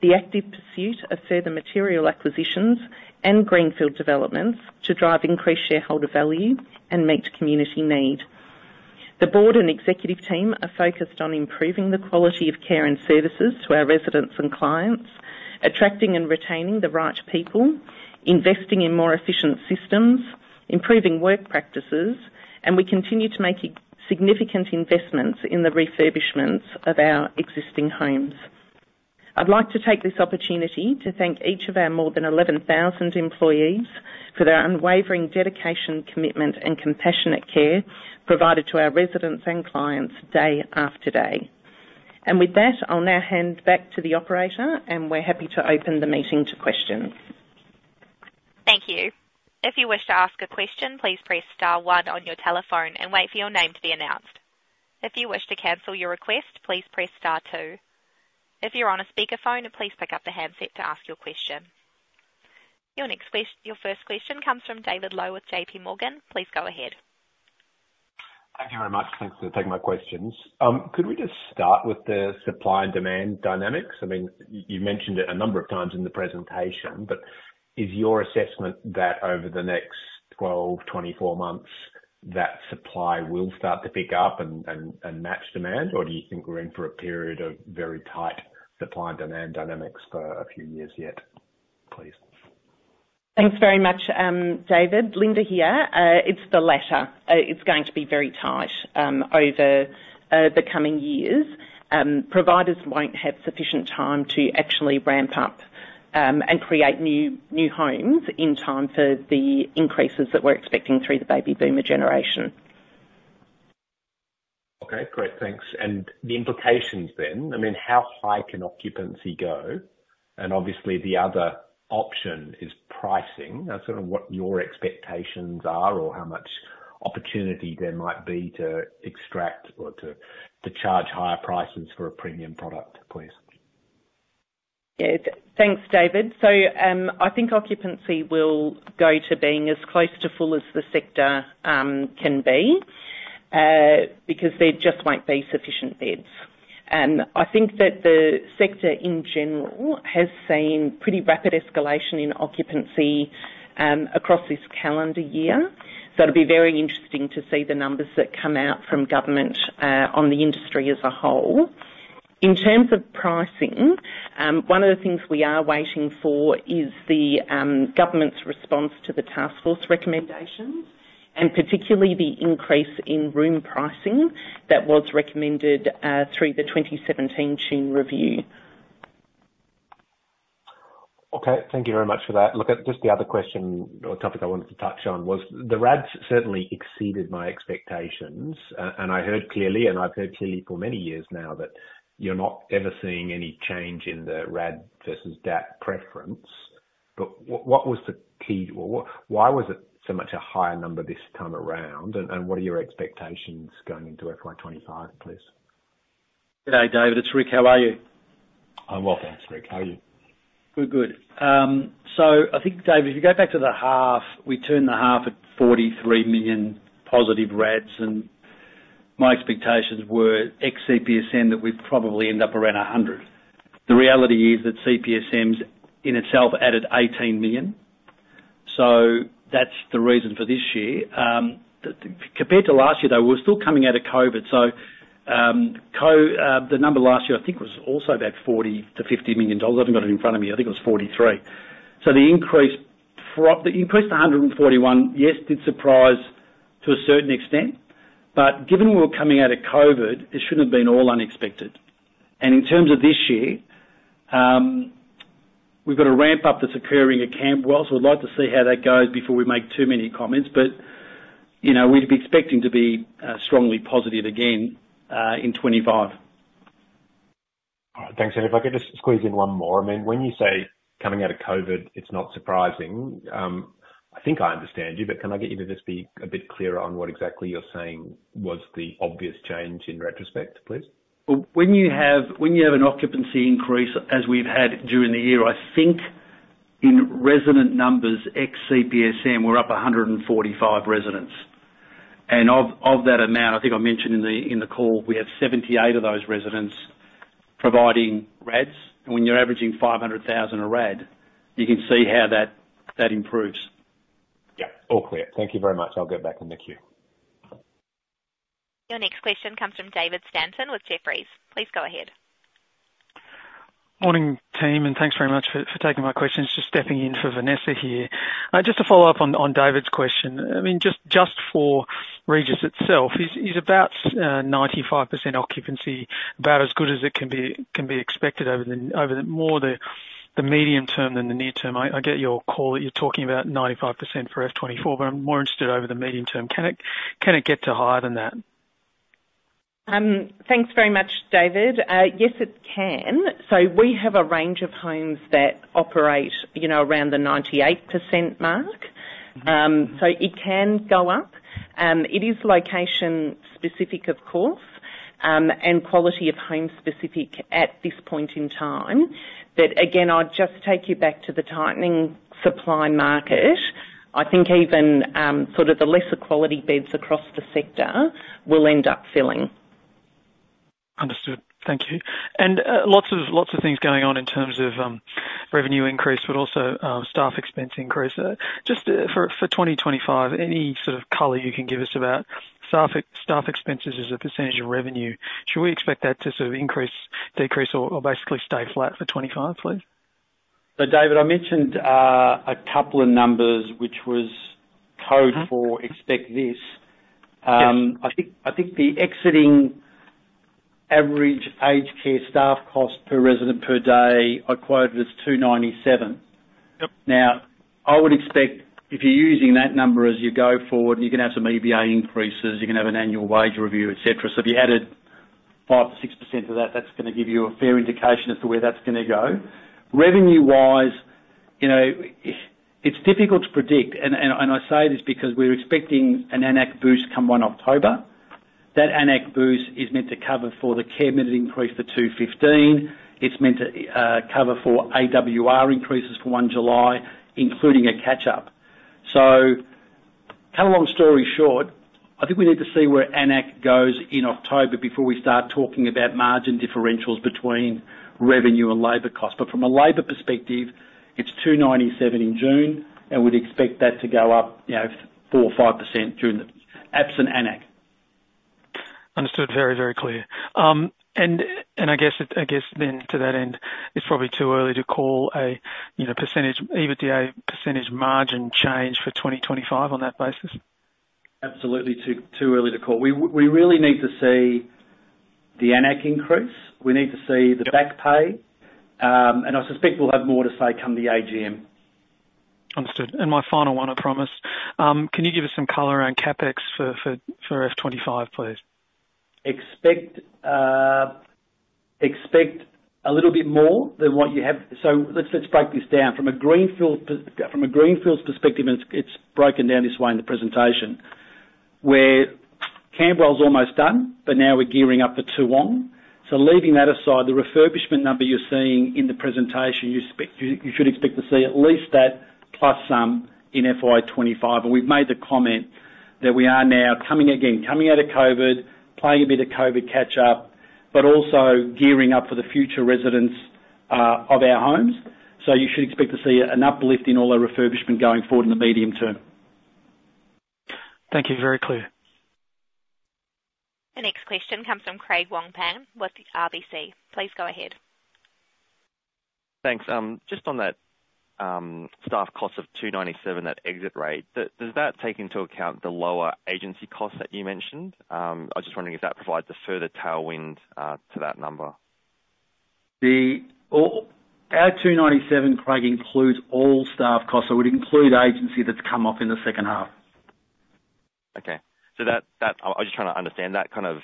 the active pursuit of further material acquisitions and greenfield developments to drive increased shareholder value and meet community need. The board and executive team are focused on improving the quality of care and services to our residents and clients, attracting and retaining the right people, investing in more efficient systems, improving work practices, and we continue to make significant investments in the refurbishments of our existing homes. I'd like to take this opportunity to thank each of our more than eleven thousand employees for their unwavering dedication, commitment, and compassionate care provided to our residents and clients day after day. With that, I'll now hand back to the operator, and we're happy to open the meeting to questions. Thank you. If you wish to ask a question, please press star one on your telephone and wait for your name to be announced. If you wish to cancel your request, please press star two. If you're on a speakerphone, please pick up the handset to ask your question. Your first question comes from David Lowe with JPMorgan. Please go ahead. Thank you very much. Thanks for taking my questions. Could we just start with the supply and demand dynamics? I mean, you mentioned it a number of times in the presentation, but is your assessment that over the next 12, 24 months, that supply will start to pick up and match demand, or do you think we're in for a period of very tight supply and demand dynamics for a few years yet, please? Thanks very much, David. Linda here. It's the latter. It's going to be very tight over the coming years. Providers won't have sufficient time to actually ramp up and create new homes in time for the increases that we're expecting through the baby boomer generation. Okay, great. Thanks. And the implications then, I mean, how high can occupancy go? And obviously, the other option is pricing. That's sort of what your expectations are, or how much opportunity there might be to extract or to, to charge higher prices for a premium product, please. Yeah. Thanks, David. So, I think occupancy will go to being as close to full as the sector can be, because there just won't be sufficient beds. And I think that the sector in general has seen pretty rapid escalation in occupancy across this calendar year. So it'll be very interesting to see the numbers that come out from government on the industry as a whole. In terms of pricing, one of the things we are waiting for is the government's response to the task force recommendations, and particularly the increase in room pricing that was recommended through the 2017 Tune Review. Okay. Thank you very much for that. Look, just the other question or topic I wanted to touch on was, the RADs certainly exceeded my expectations. And I heard clearly, and I've heard clearly for many years now, that you're not ever seeing any change in the RAD versus DAP preference. But what was the key or why was it so much a higher number this time around, and what are your expectations going into FY 2025, please? G'day, David, it's Rick. How are you? I'm well, thanks, Rick. How are you? Good, good. So I think, David, if you go back to the half, we turned the half at 43 million positive RADs, and my expectations were ex-CPSM, that we'd probably end up around 100 million. The reality is that CPSMs in itself added 18 million, so that's the reason for this year. Compared to last year, though, we're still coming out of COVID. So, the number last year, I think, was also about 40 million to 50 million dollars. I've got it in front of me. I think it was 43. So the increase to 141 million, yes, it did surprise to a certain extent, but given we were coming out of COVID, it shouldn't have been all unexpected. And in terms of this year, we've got a ramp up that's occurring at Camberwell, so I'd like to see how that goes before we make too many comments. But, you know, we'd be expecting to be strongly positive again in 2025. All right. Thanks. And if I could just squeeze in one more. I mean, when you say coming out of COVID, it's not surprising. I think I understand you, but can I get you to just be a bit clearer on what exactly you're saying was the obvious change in retrospect, please? When you have an occupancy increase, as we've had during the year, I think in resident numbers, ex-CPSM, we're up 145 residents. Of that amount, I think I mentioned in the call, we have 78 of those residents providing RADs. When you're averaging 500,000 a RAD, you can see how that improves. Yeah, all clear. Thank you very much. I'll go back in the queue. Your next question comes from David Stanton with Jefferies. Please go ahead. Morning, team, and thanks very much for taking my questions, just stepping in for Vanessa here. Just to follow up on David's question. I mean, just for Regis itself, is about 95% occupancy about as good as it can be expected over the medium term than the near term? I get your call that you're talking about 95% for FY 2024, but I'm more interested over the medium term. Can it get higher than that? Thanks very much, David. Yes, it can. So we have a range of homes that operate, you know, around the 98% mark. So it can go up. It is location specific, of course, and quality of home specific at this point in time. But again, I'd just take you back to the tightening supply market. I think even, sort of the lesser quality beds across the sector will end up filling. Understood. Thank you. And lots of things going on in terms of revenue increase, but also staff expense increase. Just for 2025, any sort of color you can give us about staff expenses as a percentage of revenue? Should we expect that to sort of increase, decrease, or basically stay flat for 2025, please?... So David, I mentioned a couple of numbers which was code for expect this. I think the existing average aged care staff cost per resident per day, I quoted as 297. Yep. Now, I would expect if you're using that number as you go forward, you're gonna have some EBA increases, you're gonna have an annual wage review, et cetera. So if you added 5-6% to that, that's gonna give you a fair indication as to where that's gonna go. Revenue-wise, you know, it's difficult to predict, and I say this because we're expecting an AN-ACC boost come 1 October. That AN-ACC boost is meant to cover for the Care Minutes increase for 2025. It's meant to cover for AWR increases for 1 July, including a catch-up. So cut a long story short, I think we need to see where AN-ACC goes in October before we start talking about margin differentials between revenue and labor cost. But from a labor perspective, it's 2.97 in June, and we'd expect that to go up, you know, 4%-5% during the AN-ACC. Understood. Very, very clear. And I guess then to that end, it's probably too early to call a, you know, percentage, EBITDA percentage margin change for 2025 on that basis? Absolutely, too early to call. We really need to see the AN-ACC increase. We need to see the back pay, and I suspect we'll have more to say come the AGM. Understood. And my final one, I promise. Can you give us some color around CapEx for FY 2025, please? Expect, expect a little bit more than what you have. So let's break this down. From a greenfields perspective, it's broken down this way in the presentation, where Camberwell is almost done, but now we're gearing up for Toowong. So leaving that aside, the refurbishment number you're seeing in the presentation, you should expect to see at least that plus some in FY 2025. We've made the comment that we are now coming out of COVID, playing a bit of COVID catch up, but also gearing up for the future residents of our homes. So you should expect to see an uplift in all our refurbishment going forward in the medium term. Thank you. Very clear. The next question comes from Craig Wong-Pan with RBC. Please go ahead. Thanks. Just on that, staff cost of 2.97, that exit rate, does that take into account the lower agency costs that you mentioned? I was just wondering if that provides a further tailwind to that number. Our 297, Craig, includes all staff costs, so it would include agency that's come off in the second half. Okay. So that... I was just trying to understand that kind of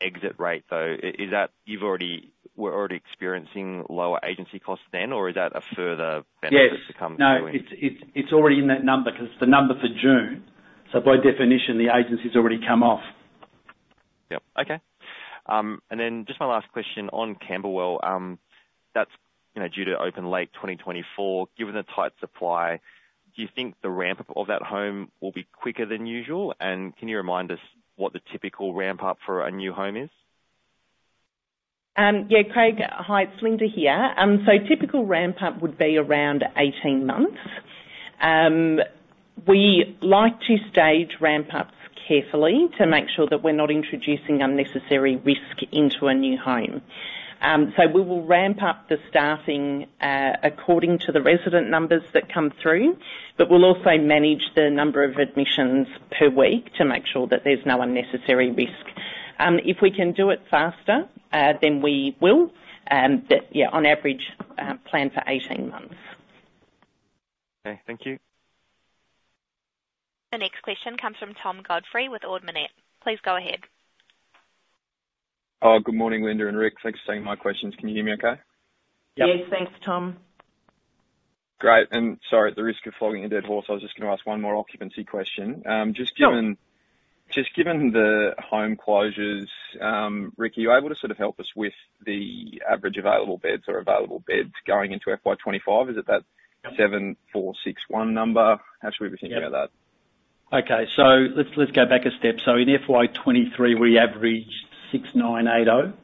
exit rate, though. Is that you've already, we're already experiencing lower agency costs then, or is that a further- Yes. Benefit to come to in? No, it's already in that number because it's the number for June, so by definition, the agency's already come off. Yep. Okay. And then just my last question on Camberwell, that's, you know, due to open late 2024. Given the tight supply, do you think the ramp up of that home will be quicker than usual? And can you remind us what the typical ramp up for a new home is? Yeah, Craig. Hi, it's Linda here. Typical ramp up would be around eighteen months. We like to stage ramp ups carefully to make sure that we're not introducing unnecessary risk into a new home. We will ramp up the staffing according to the resident numbers that come through, but we'll also manage the number of admissions per week to make sure that there's no unnecessary risk. If we can do it faster, then we will. But yeah, on average, plan for eighteen months. Okay. Thank you. The next question comes from Tom Godfrey with Ord Minnett. Please go ahead. Oh, good morning, Linda and Rick. Thanks for taking my questions. Can you hear me okay? Yep. Yes. Thanks, Tom. Great, and sorry, at the risk of flogging a dead horse, I was just gonna ask one more occupancy question. Just given- Sure. Just given the home closures, Rick, are you able to sort of help us with the average available beds or available beds going into FY 2025? Is it that 7,461 number? How should we be thinking about that? Okay, so let's go back a step. So in FY 2023, we averaged 6,980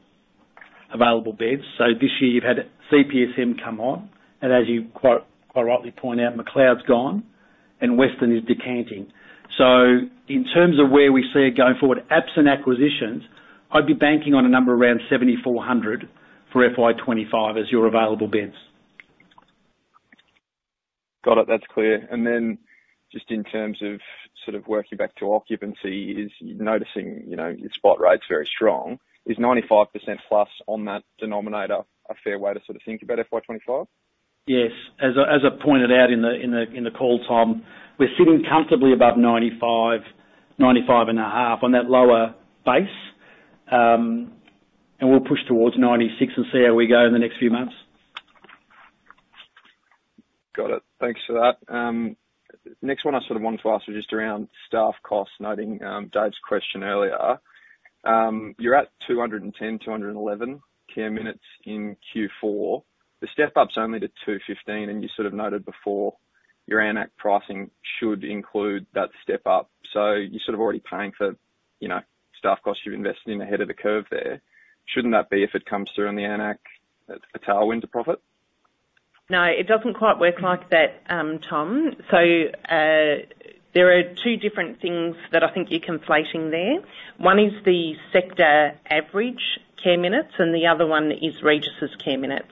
available beds. So this year you've had CPSM come on, and as you quite rightly point out, McLeod's gone and Weston is decanting. So in terms of where we see it going forward, absent acquisitions, I'd be banking on a number around 7,400 for FY 2025 as your available beds. Got it. That's clear. And then just in terms of sort of working back to occupancy, is noticing, you know, your spot rate's very strong. Is 95% plus on that denominator a fair way to sort of think about FY 2025? Yes. As I pointed out in the call, Tom, we're sitting comfortably above 95%, 95.5% on that lower base, and we'll push towards 96% and see how we go in the next few months. Got it. Thanks for that. Next one I sort of wanted to ask was just around staff costs, noting Dave's question earlier. You're at two hundred and ten, two hundred and eleven care minutes in Q4. The step-up's only to 215, and you sort of noted before your AN-ACC pricing should include that step-up. So you're sort of already paying for, you know, staff costs you're investing in ahead of the curve there. Shouldn't that be, if it comes through in the AN-ACC, a tailwind to profit? No, it doesn't quite work like that, Tom. So, there are two different things that I think you're conflating there. One is the sector average care minutes, and the other one is Regis' care minutes.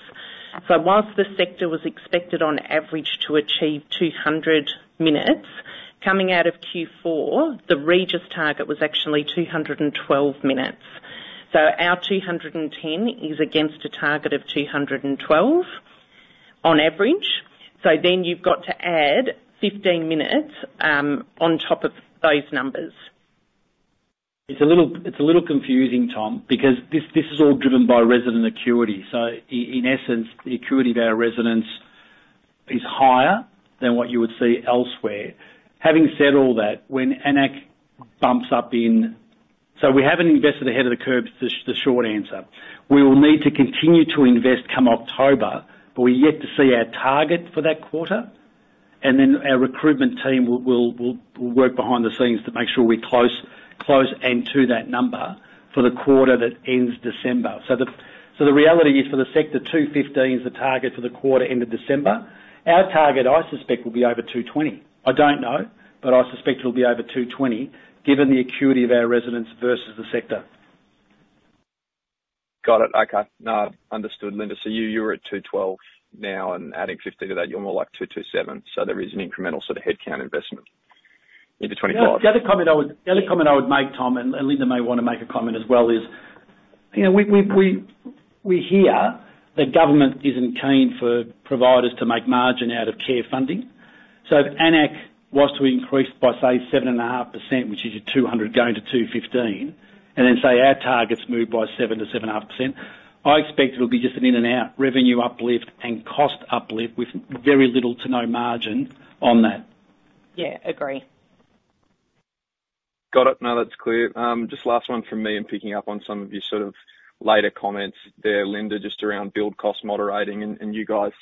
So while the sector was expected on average to achieve two hundred minutes, coming out of Q4, the Regis target was actually two hundred and twelve minutes. So our two hundred and ten is against a target of two hundred and twelve on average. So then you've got to add fifteen minutes, on top of those numbers. It's a little, it's a little confusing, Tom, because this is all driven by resident acuity. So in essence, the acuity of our residents is higher than what you would see elsewhere. Having said all that, when AN-ACC bumps up in... So we haven't invested ahead of the curve is the short answer. We will need to continue to invest come October, but we're yet to see our target for that quarter, and then our recruitment team will work behind the scenes to make sure we're close to that number for the quarter that ends December. So the reality is, for the sector, 215 is the target for the quarter end of December. Our target, I suspect, will be over 220. I don't know, but I suspect it'll be over 220, given the acuity of our residents versus the sector. Got it. Okay. No, understood, Linda. So you, you're at two twelve now, and adding fifteen to that, you're more like two two seven. So there is an incremental sort of headcount investment into 2025. The other comment I would make, Tom, and Linda may want to make a comment as well, is, you know, we hear that government isn't keen for providers to make margin out of care funding. So if AN-ACC was to increase by, say, 7.5%, which is a 200 going to 215, and then, say, our targets move by 7%-7.5%, I expect it'll be just an in-and-out revenue uplift and cost uplift with very little to no margin on that. Yeah, agree. Got it. No, that's clear. Just last one from me, and picking up on some of your sort of later comments there, Linda, just around build cost moderating and you guys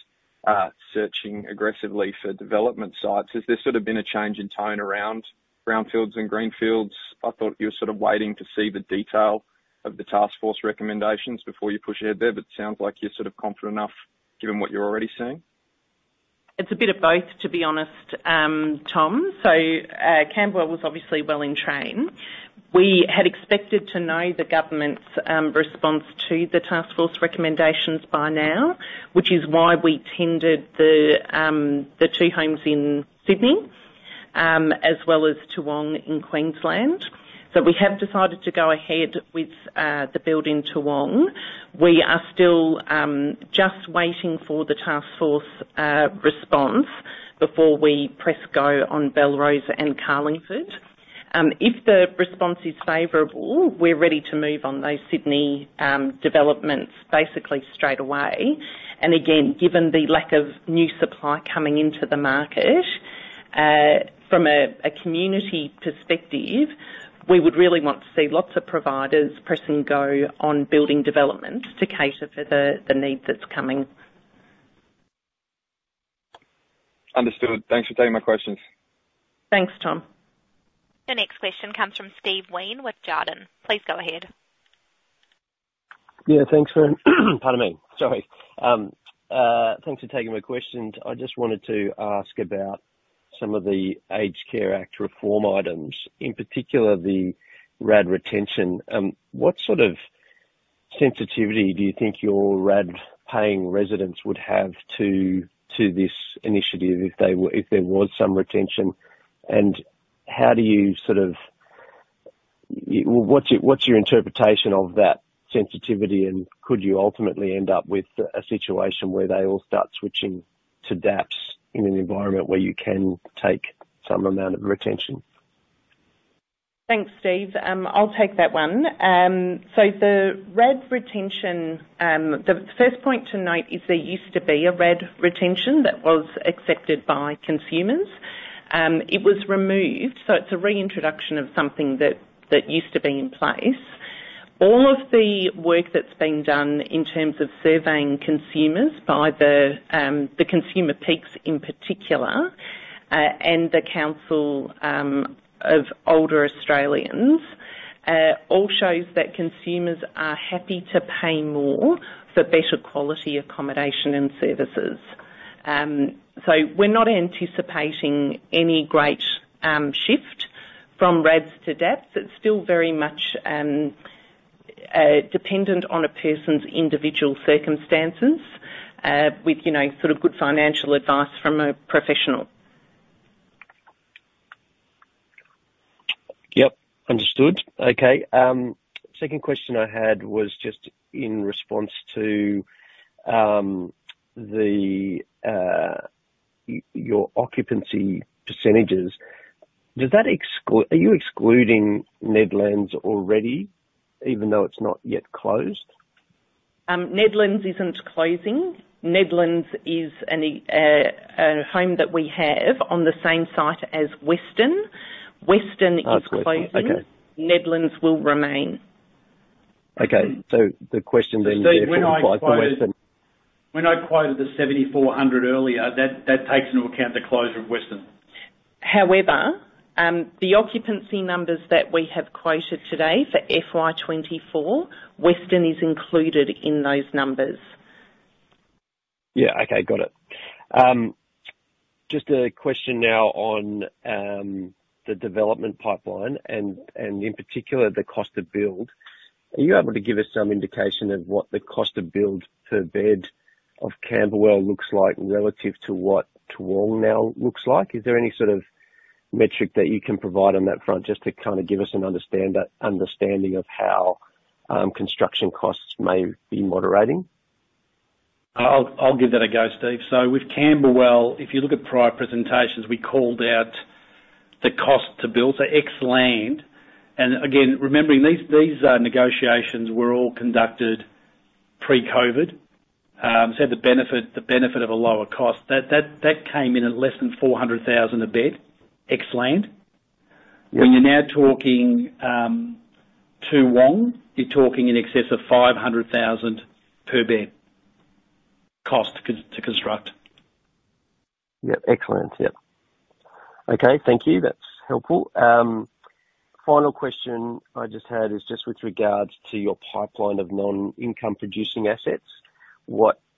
searching aggressively for development sites. Has there sort of been a change in tone around brownfields and greenfields? I thought you were sort of waiting to see the detail of the task force recommendations before you push ahead there, but it sounds like you're sort of confident enough given what you're already seeing. It's a bit of both, to be honest, Tom. So, Camberwell was obviously well in train. We had expected to know the government's response to the task force recommendations by now, which is why we tendered the two homes in Sydney, as well as Toowong in Queensland. So we have decided to go ahead with the build in Toowong. We are still just waiting for the task force response before we press go on Belrose and Carlingford. If the response is favorable, we're ready to move on those Sydney developments basically straight away. And again, given the lack of new supply coming into the market, from a community perspective, we would really want to see lots of providers pressing go on building developments to cater for the need that's coming. Understood. Thanks for taking my questions. Thanks, Tom. The next question comes from Steve Wheen with Jarden. Please go ahead. Yeah, thanks. Pardon me. Sorry. Thanks for taking my questions. I just wanted to ask about some of the Aged Care Act reform items, in particular, the RAD retention. What sort of sensitivity do you think your RAD-paying residents would have to this initiative if there was some retention? And how do you sort of. What's your interpretation of that sensitivity, and could you ultimately end up with a situation where they all start switching to DAPs in an environment where you can take some amount of retention? Thanks, Steve. I'll take that one. So the RAD retention, the first point to note is there used to be a RAD retention that was accepted by consumers. It was removed, so it's a reintroduction of something that used to be in place. All of the work that's been done in terms of surveying consumers by the consumer peaks in particular, and the Council of Older Australians, all shows that consumers are happy to pay more for better quality accommodation and services. So we're not anticipating any great shift from RADs to DAPs. It's still very much dependent on a person's individual circumstances, with you know, sort of good financial advice from a professional. Yep, understood. Okay, second question I had was just in response to your occupancy percentages. Are you excluding Nedlands already, even though it's not yet closed? Nedlands isn't closing. Nedlands is a home that we have on the same site as Weston. Weston is closing. Okay. Nedlands will remain. Okay, so the question then- Steve, when I quoted- - applies to Western. When I quoted the 7,400 earlier, that takes into account the closure of Western. However, the occupancy numbers that we have quoted today for FY 2024, Weston is included in those numbers.... Yeah, okay, got it. Just a question now on the development pipeline and in particular, the cost to build. Are you able to give us some indication of what the cost to build per bed of Camberwell looks like relative to what Toowong now looks like? Is there any sort of metric that you can provide on that front, just to kind of give us an understanding of how construction costs may be moderating? I'll give that a go, Steve. So with Camberwell, if you look at prior presentations, we called out the cost to build, so ex-land, and again, remembering these negotiations were all conducted pre-COVID. So the benefit of a lower cost that came in at less than 400,000 a bed, ex-land. Yeah. When you're now talking Toowong, you're talking in excess of 500,000 per bed, cost to construct. Yep. Excellent. Yep. Okay, thank you. That's helpful. Final question I just had is just with regards to your pipeline of non-income producing assets.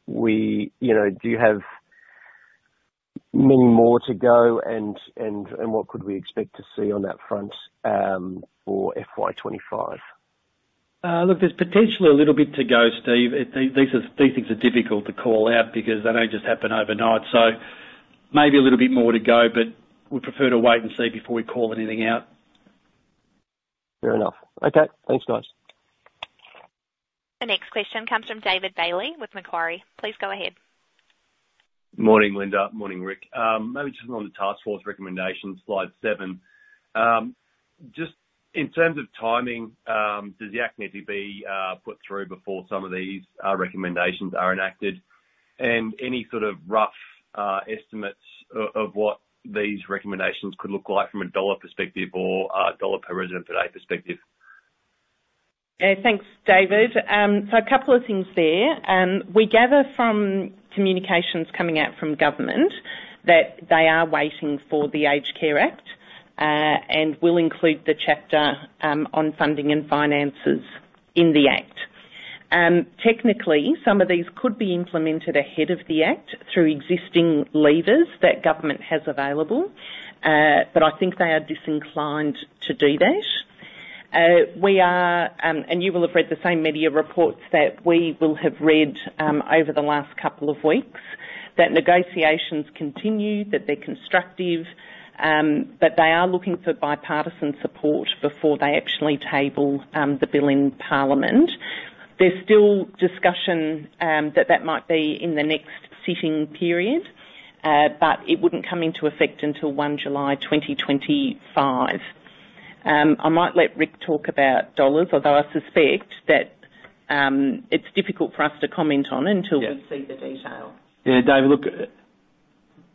You know, do you have many more to go, and what could we expect to see on that front, for FY 2025? Look, there's potentially a little bit to go, Steve. These are, these things are difficult to call out because they don't just happen overnight, so maybe a little bit more to go, but we prefer to wait and see before we call anything out. Fair enough. Okay. Thanks, guys. The next question comes from David Bailey with Macquarie. Please go ahead. Morning, Linda. Morning, Rick. Maybe just on the task force recommendation, slide seven. Just in terms of timing, does the Act need to be put through before some of these recommendations are enacted? And any sort of rough estimates of what these recommendations could look like from a dollar perspective or a dollar per resident per day perspective? Thanks, David. So a couple of things there. We gather from communications coming out from government that they are waiting for the Aged Care Act, and will include the chapter on funding and finances in the Act. Technically, some of these could be implemented ahead of the Act through existing levers that government has available, but I think they are disinclined to do that. We are, and you will have read the same media reports that we will have read, over the last couple of weeks, that negotiations continue, that they're constructive, but they are looking for bipartisan support before they actually table the bill in Parliament. There's still discussion that that might be in the next sitting period, but it wouldn't come into effect until 1 July 2025. I might let Rick talk about dollars, although I suspect that it's difficult for us to comment on until- Yeah. We see the detail. Yeah, David, look,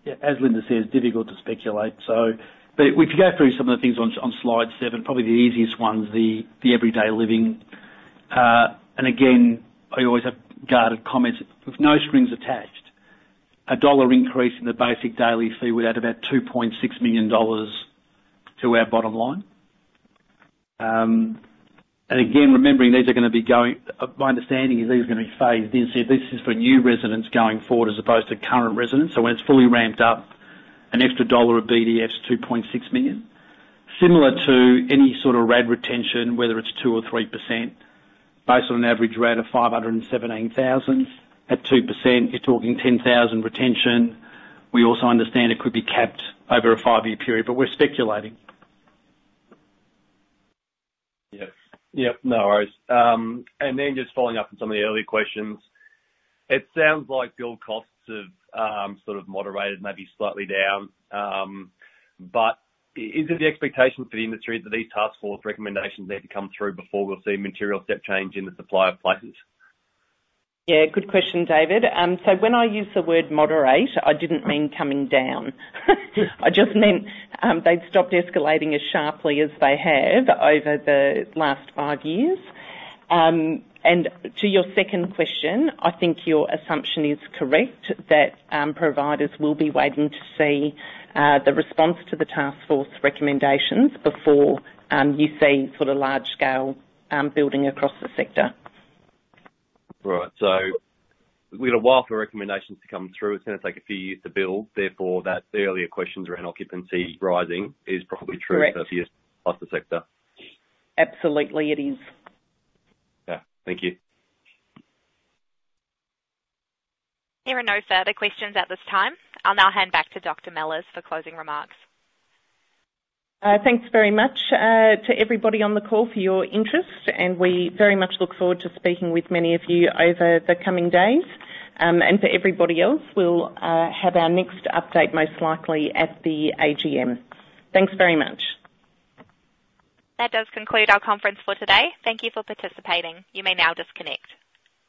yeah, as Linda said, it's difficult to speculate, so, but if you go through some of the things on slide seven, probably the easiest one is the everyday living. And again, I always have guarded comments. With no strings attached, an AUD 1 increase in the basic daily fee would add about 2.6 million dollars to our bottom line. And again, remembering these are gonna be going, my understanding is these are gonna be phased in, so this is for new residents going forward as opposed to current residents. So when it's fully ramped up, an extra AUD 1 of BDF is 2.6 million. Similar to any sort of RAD retention, whether it's 2% or 3%, based on an average rate of 517,000, at 2%, you're talking 10,000 retention. We also understand it could be capped over a five-year period, but we're speculating. Yes. Yep, no worries, and then just following up on some of the earlier questions, it sounds like build costs have sort of moderated, maybe slightly down, but is it the expectation for the industry that these task force recommendations need to come through before we'll see a material step change in the supply of places? Yeah, good question, David. So when I use the word moderate, I didn't mean coming down. I just meant, they've stopped escalating as sharply as they have over the last five years. And to your second question, I think your assumption is correct that, providers will be waiting to see, the response to the task force recommendations before, you see sort of large scale, building across the sector. Right. So we've got a while for recommendations to come through. It's gonna take a few years to build, therefore, that the earlier questions around occupancy rising is probably true- Correct. for the rest of the sector. Absolutely, it is. Yeah. Thank you. There are no further questions at this time. I'll now hand back to Dr. Mellors for closing remarks. Thanks very much to everybody on the call for your interest, and we very much look forward to speaking with many of you over the coming days, and for everybody else, we'll have our next update most likely at the AGM. Thanks very much. That does conclude our conference for today. Thank you for participating. You may now disconnect.